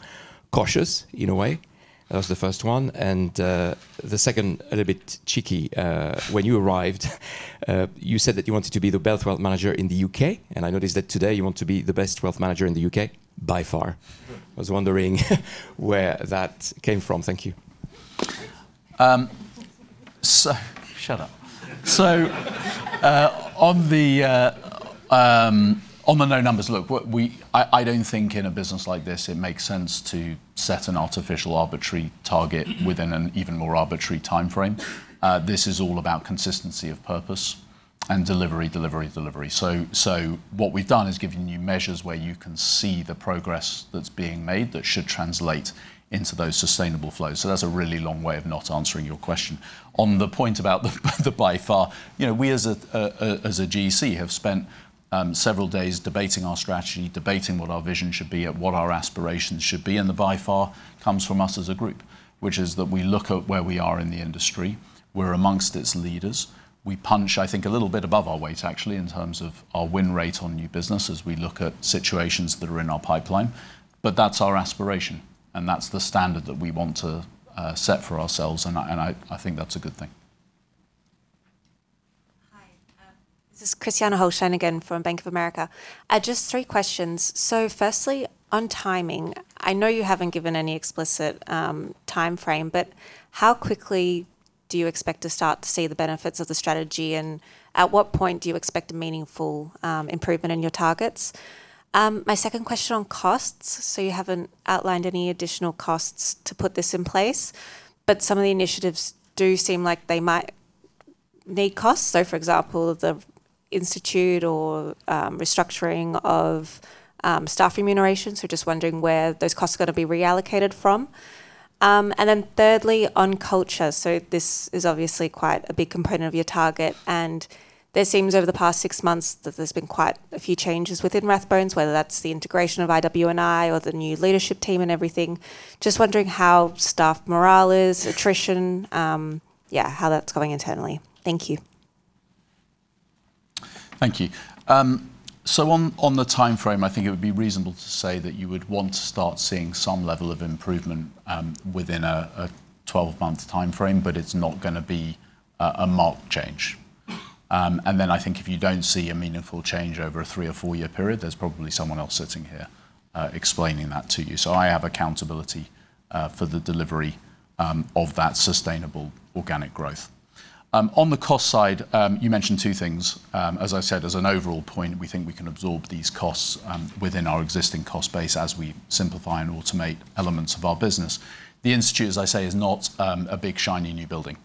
cautious, in a way? That was the first one, and the second, a little bit cheeky. When you arrived, you said that you wanted to be the best wealth manager in the U.K., and I noticed that today you want to be the best wealth manager in the U.K. by far. I was wondering where that came from. Thank you. Shut up. On the no numbers, look, I don't think in a business like this, it makes sense to set an artificial, arbitrary target within an even more arbitrary timeframe. This is all about consistency of purpose-... and delivery, delivery. What we've done is given you measures where you can see the progress that's being made, that should translate into those sustainable flows. That's a really long way of not answering your question. On the point about the by far, you know, we as a GEC, have spent several days debating our strategy, debating what our vision should be and what our aspirations should be, and the by far comes from us as a group, which is that we look at where we are in the industry. We're amongst its leaders. We punch, I think, a little bit above our weight, actually, in terms of our win rate on new business as we look at situations that are in our pipeline. That's our aspiration, and that's the standard that we want to set for ourselves, and I think that's a good thing. Hi, this is Christina Holstenagain from Bank of America. Just three questions. Firstly, on timing, I know you haven't given any explicit timeframe, but how quickly do you expect to start to see the benefits of the strategy, and at what point do you expect a meaningful improvement in your targets? My second question on costs. You haven't outlined any additional costs to put this in place, but some of the initiatives do seem like they might need costs. For example, the Institute or restructuring of staff remuneration. Just wondering where those costs are gonna be reallocated from. Thirdly, on culture. This is obviously quite a big component of your target, and there seems, over the past six months, that there's been quite a few changes within Rathbones, whether that's the integration of IW&I or the new leadership team and everything. Just wondering how staff morale is, attrition, how that's going internally? Thank you. Thank you. On, on the timeframe, I think it would be reasonable to say that you would want to start seeing some level of improvement within a 12-month timeframe, but it's not gonna be a marked change. I think if you don't see a meaningful change over a 3- or 4-year period, there's probably someone else sitting here explaining that to you. I have accountability for the delivery of that sustainable organic growth. On the cost side, you mentioned two things. As I said, as an overall point, we think we can absorb these costs within our existing cost base as we simplify and automate elements of our business. The Institute, as I say, is not a big, shiny new building.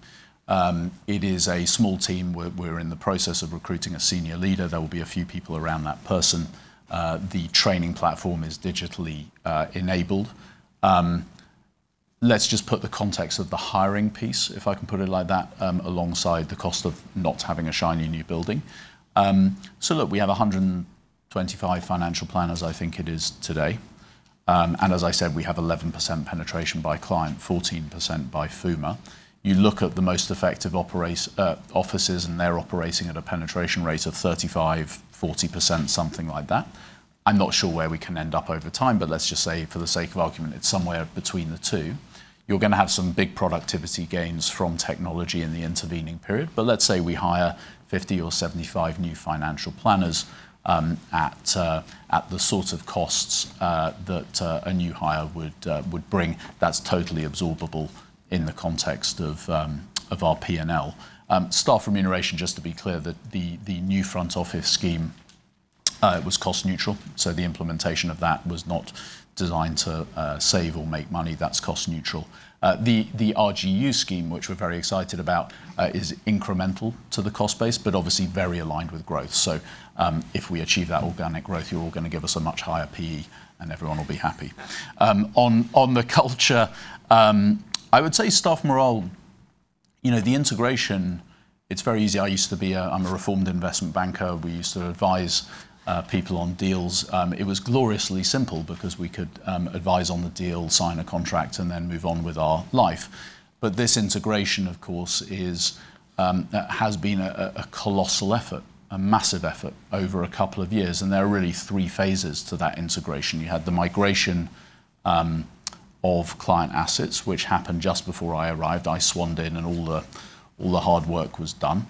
It is a small team where we're in the process of recruiting a senior leader. There will be a few people around that person. The training platform is digitally enabled. Let's just put the context of the hiring piece, if I can put it like that, alongside the cost of not having a shiny new building. Look, we have 125 financial planners, I think it is today. As I said, we have 11% penetration by client, 14% by FUMA. You look at the most effective offices, they're operating at a penetration rate of 35%-40%, something like that. I'm not sure where we can end up over time, let's just say, for the sake of argument, it's somewhere between the two. You're gonna have some big productivity gains from technology in the intervening period. Let's say we hire 50 or 75 new financial planners, at the sort of costs that a new hire would bring. That's totally absorbable in the context of our P&L. Staff remuneration, just to be clear, that the new front office scheme was cost neutral, so the implementation of that was not designed to save or make money. That's cost neutral. The RGU scheme, which we're very excited about, is incremental to the cost base, but obviously very aligned with growth. If we achieve that organic growth, you're all gonna give us a much higher PE, and everyone will be happy. On, on the culture, I would say staff morale, you know, the integration, it's very easy. I'm a reformed investment banker. We used to advise people on deals. It was gloriously simple because we could advise on the deal, sign a contract, and then move on with our life. This integration, of course, is has been a colossal effort, a massive effort over a couple of years, and there are really three phases to that integration. You had the migration of client assets, which happened just before I arrived. I swanned in and all the, all the hard work was done.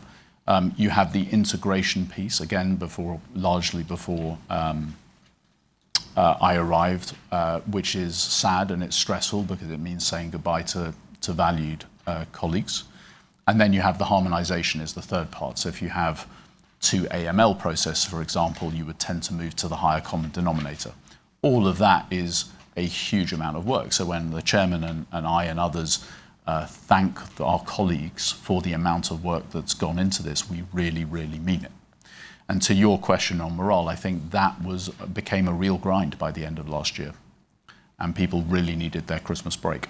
You have the integration piece, again, before, largely before, I arrived, which is sad and it's stressful because it means saying goodbye to valued colleagues. You have the harmonization as the third part. If you have two AML processes, for example, you would tend to move to the higher common denominator. All of that is a huge amount of work. When the chairman and I and others thank our colleagues for the amount of work that's gone into this, we really, really mean it. To your question on morale, I think that became a real grind by the end of last year, and people really needed their Christmas break.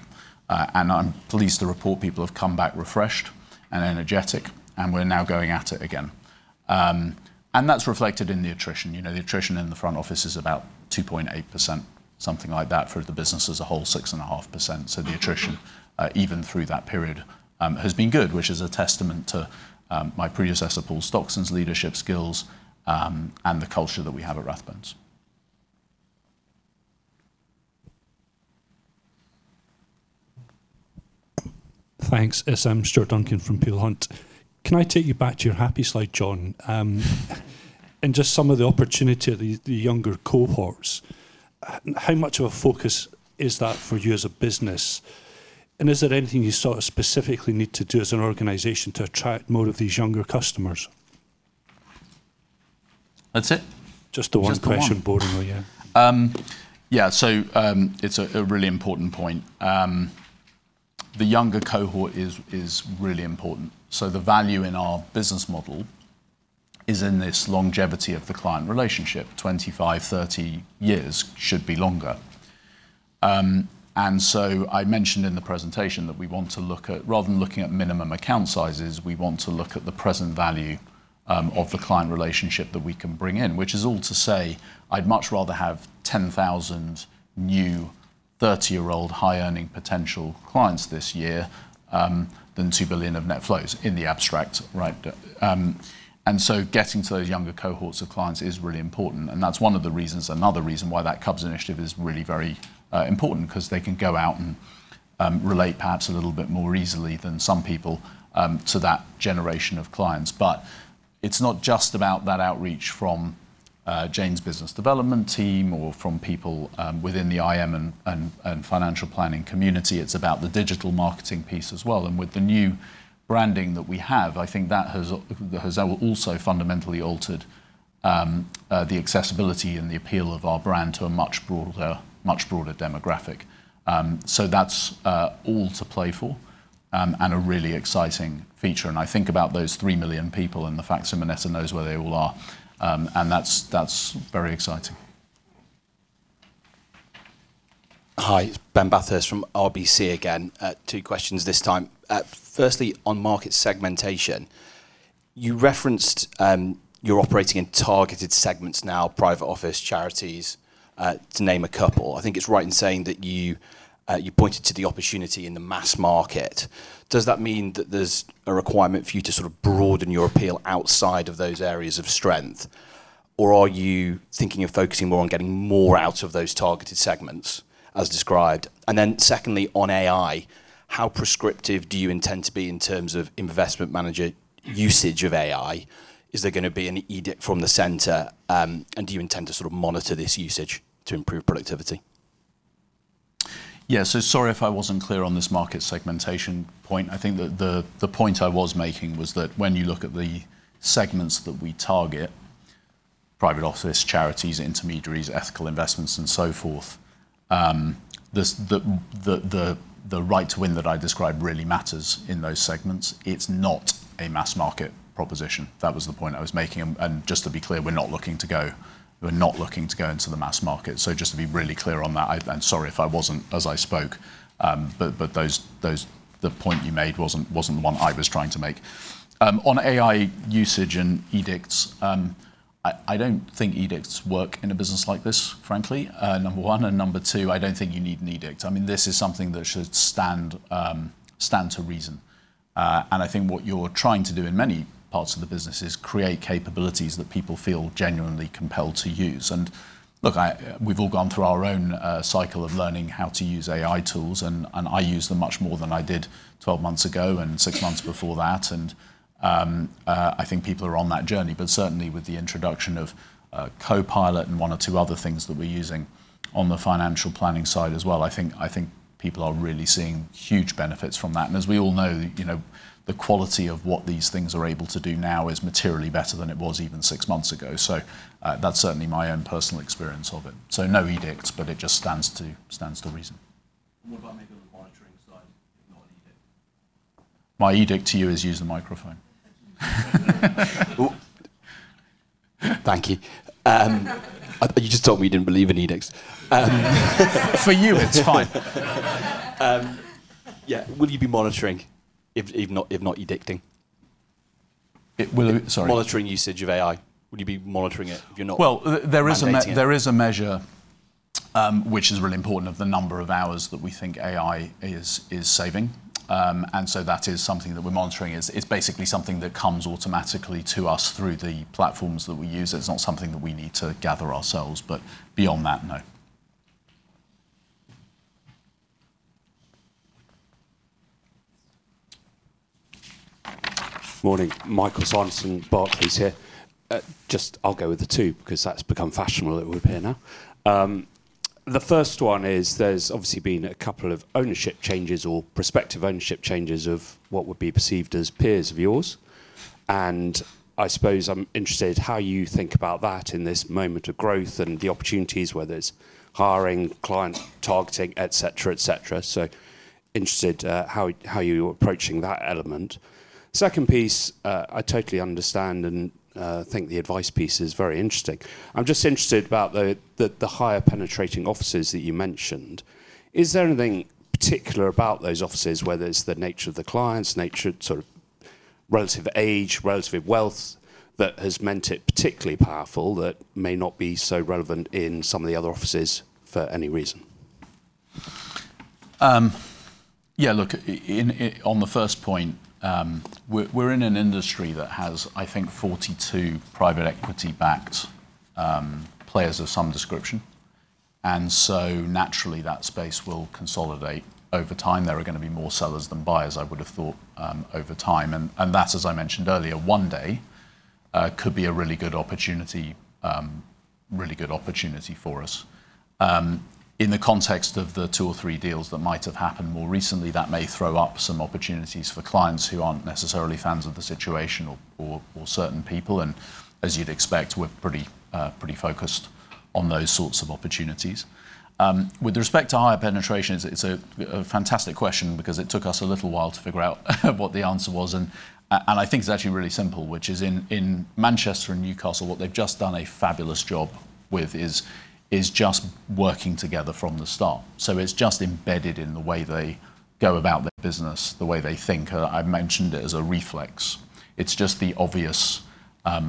I'm pleased to report people have come back refreshed and energetic, and we're now going at it again. That's reflected in the attrition. You know, the attrition in the front office is about 2.8%, something like that, for the business as a whole, 6.5%. The attrition, even through that period, has been good, which is a testament to my predecessor, Paul Stockton's, leadership skills, and the culture that we have at Rathbones. Thanks. I'm Stuart Duncan from Peel Hunt. Can I take you back to your happy slide, Jon? Just some of the opportunity of the younger cohorts. How much of a focus is that for you as a business, and is there anything you sort of specifically need to do as an organization to attract more of these younger customers? That's it? Just the one question, boring or yeah. Yeah, so, it's a really important point. The younger cohort is really important. The value in our business model is in this longevity of the client relationship. 25, 30 years, should be longer. I mentioned in the presentation that we want to look at rather than looking at minimum account sizes, we want to look at the present value of the client relationship that we can bring in, which is all to say, I'd much rather have 10,000 new 30-year-old, high-earning potential clients this year than 2 billion of net flows in the abstract, right? Getting to those younger cohorts of clients is really important, and that's one of the reasons, another reason why that Cubs initiative is really very important, 'cause they can go out and relate perhaps a little bit more easily than some people to that generation of clients. It's not just about that outreach from Jane's business development team or from people within the IM and financial planning community. It's about the digital marketing piece as well. With the new branding that we have, I think that has also fundamentally altered the accessibility and the appeal of our brand to a much broader demographic. That's all to play for and a really exciting feature. I think about those 3 million people, and the fact that Vanessa knows where they all are, and that's very exciting. Hi, it's Ben Bathurst from RBC again. Two questions this time. Firstly, on market segmentation, you referenced, you're operating in targeted segments now, private office, charities, to name a couple. I think it's right in saying that you pointed to the opportunity in the mass market. Does that mean that there's a requirement for you to sort of broaden your appeal outside of those areas of strength? Are you thinking of focusing more on getting more out of those targeted segments as described? Secondly, on AI, how prescriptive do you intend to be in terms of investment manager usage of AI? Is there gonna be an edict from the center, and do you intend to sort of monitor this usage to improve productivity? Sorry if I wasn't clear on this market segmentation point. I think the point I was making was that when you look at the segments that we target, private office, charities, intermediaries, ethical investments, and so forth, the right to win that I described really matters in those segments. It's not a mass market proposition. That was the point I was making. Just to be clear, we're not looking to go into the mass market. Just to be really clear on that, and sorry if I wasn't as I spoke, but those, the point you made wasn't the one I was trying to make. On AI usage and edicts, I don't think edicts work in a business like this, frankly, number one, and number two, I don't think you need an edict. I mean, this is something that should stand to reason. I think what you're trying to do in many parts of the business is create capabilities that people feel genuinely compelled to use. Look, I, we've all gone through our own cycle of learning how to use AI tools, and I use them much more than I did 12 months ago, and six months before that. I think people are on that journey, but certainly with the introduction of Copilot and one or two other things that we're using on the financial planning side as well, I think people are really seeing huge benefits from that. As we all know, you know, the quality of what these things are able to do now is materially better than it was even six months ago. That's certainly my own personal experience of it. No edicts, but it just stands to reason. What about maybe on the monitoring side, not edict? My edict to you is use the microphone. Thank you. You just told me you didn't believe in edicts. For you, it's fine. Yeah. Will you be monitoring if not edicting? It will, sorry. Monitoring usage of AI, will you be monitoring it if you're not- Well, there is a. mandating it There is a measure, which is really important, of the number of hours that we think AI is saving. That is something that we're monitoring. It's basically something that comes automatically to us through the platforms that we use. It's not something that we need to gather ourselves, but beyond that, no. Morning, Michael Sanderson, Barclays here. Just I'll go with the two, because that's become fashionable with here now. The first one is, there's obviously been a couple of ownership changes or prospective ownership changes of what would be perceived as peers of yours, and I suppose I'm interested how you think about that in this moment of growth and the opportunities, whether it's hiring, client targeting, et cetera, et cetera. Interested how you're approaching that element. Second piece, I totally understand and think the advice piece is very interesting. I'm just interested about the higher penetrating offices that you mentioned. Is there anything particular about those offices, whether it's the nature of the clients, nature, sort of relative age, relative wealth, that has meant it particularly powerful, that may not be so relevant in some of the other offices for any reason? Yeah, look, in on the first point, we're in an industry that has, I think, 42 private equity-backed players of some description, and so naturally, that space will consolidate over time. There are gonna be more sellers than buyers, I would have thought, over time. That, as I mentioned earlier, one day, could be a really good opportunity, really good opportunity for us. In the context of the two or three deals that might have happened more recently, that may throw up some opportunities for clients who aren't necessarily fans of the situation or certain people. As you'd expect, we're pretty focused on those sorts of opportunities. With respect to higher penetration, it's a fantastic question because it took us a little while to figure out what the answer was. I think it's actually really simple, which is in Manchester and Newcastle, what they've just done a fabulous job with is just working together from the start. It's just embedded in the way they go about their business, the way they think. I've mentioned it as a reflex. It's just the obvious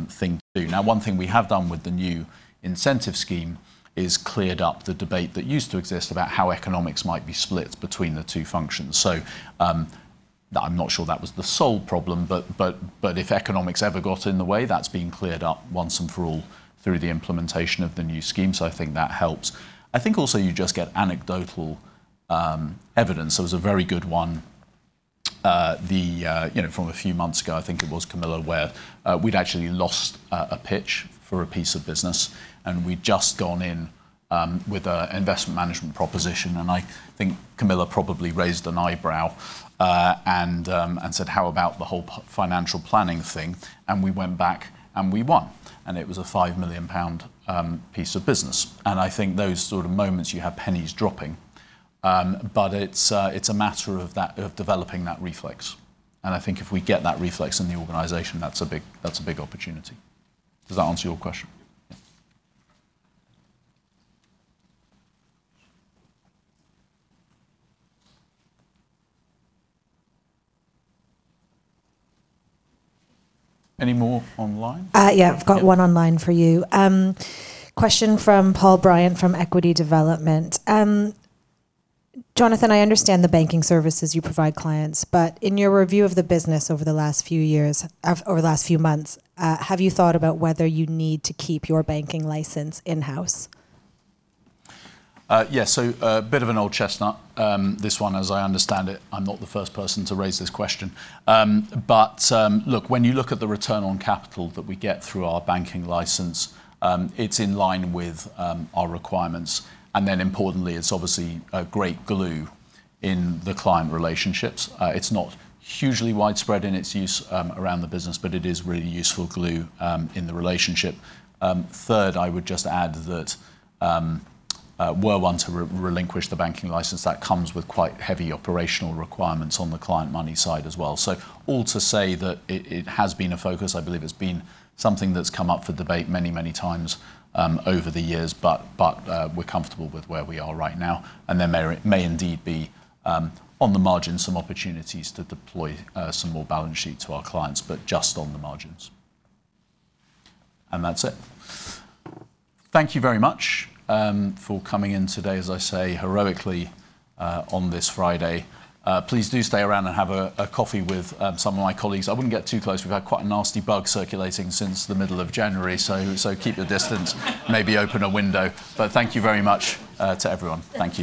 thing to do. One thing we have done with the new incentive scheme is cleared up the debate that used to exist about how economics might be split between the two functions. I'm not sure that was the sole problem, but if economics ever got in the way, that's been cleared up once and for all through the implementation of the new scheme, I think that helps. I think also you just get anecdotal evidence. There was a very good one, you know, from a few months ago, I think it was Camilla, where we'd actually lost a pitch for a piece of business, and we'd just gone in with a investment management proposition. I think Camilla probably raised an eyebrow and said, "How about the whole financial planning thing?" We went back, and we won, and it was a 5 million pound piece of business. I think those sort of moments, you have pennies dropping. It's a matter of developing that reflex. I think if we get that reflex in the organization, that's a big opportunity. Does that answer your question? Yeah. Any more online? Yeah, I've got one online for you. Question from Paul Bryant, from Equity Development: Jonathan, I understand the banking services you provide clients, but in your review of the business over the last few years, over the last few months, have you thought about whether you need to keep your banking license in-house? Yes, a bit of an old chestnut, this one, as I understand it. I'm not the first person to raise this question. Look, when you look at the return on capital that we get through our banking license, it's in line with our requirements. Importantly, it's obviously a great glue in the client relationships. It's not hugely widespread in its use around the business, but it is really useful glue in the relationship. Third, I would just add that we're one to relinquish the banking license that comes with quite heavy operational requirements on the client money side as well. All to say that it has been a focus. I believe it's been something that's come up for debate many, many times over the years. We're comfortable with where we are right now, and there may indeed be on the margin, some opportunities to deploy some more balance sheet to our clients, but just on the margins. That's it. Thank you very much for coming in today, as I say, heroically on this Friday. Please do stay around and have a coffee with some of my colleagues. I wouldn't get too close. We've had quite a nasty bug circulating since the middle of January, so keep your distance, maybe open a window. Thank you very much to everyone. Thank you.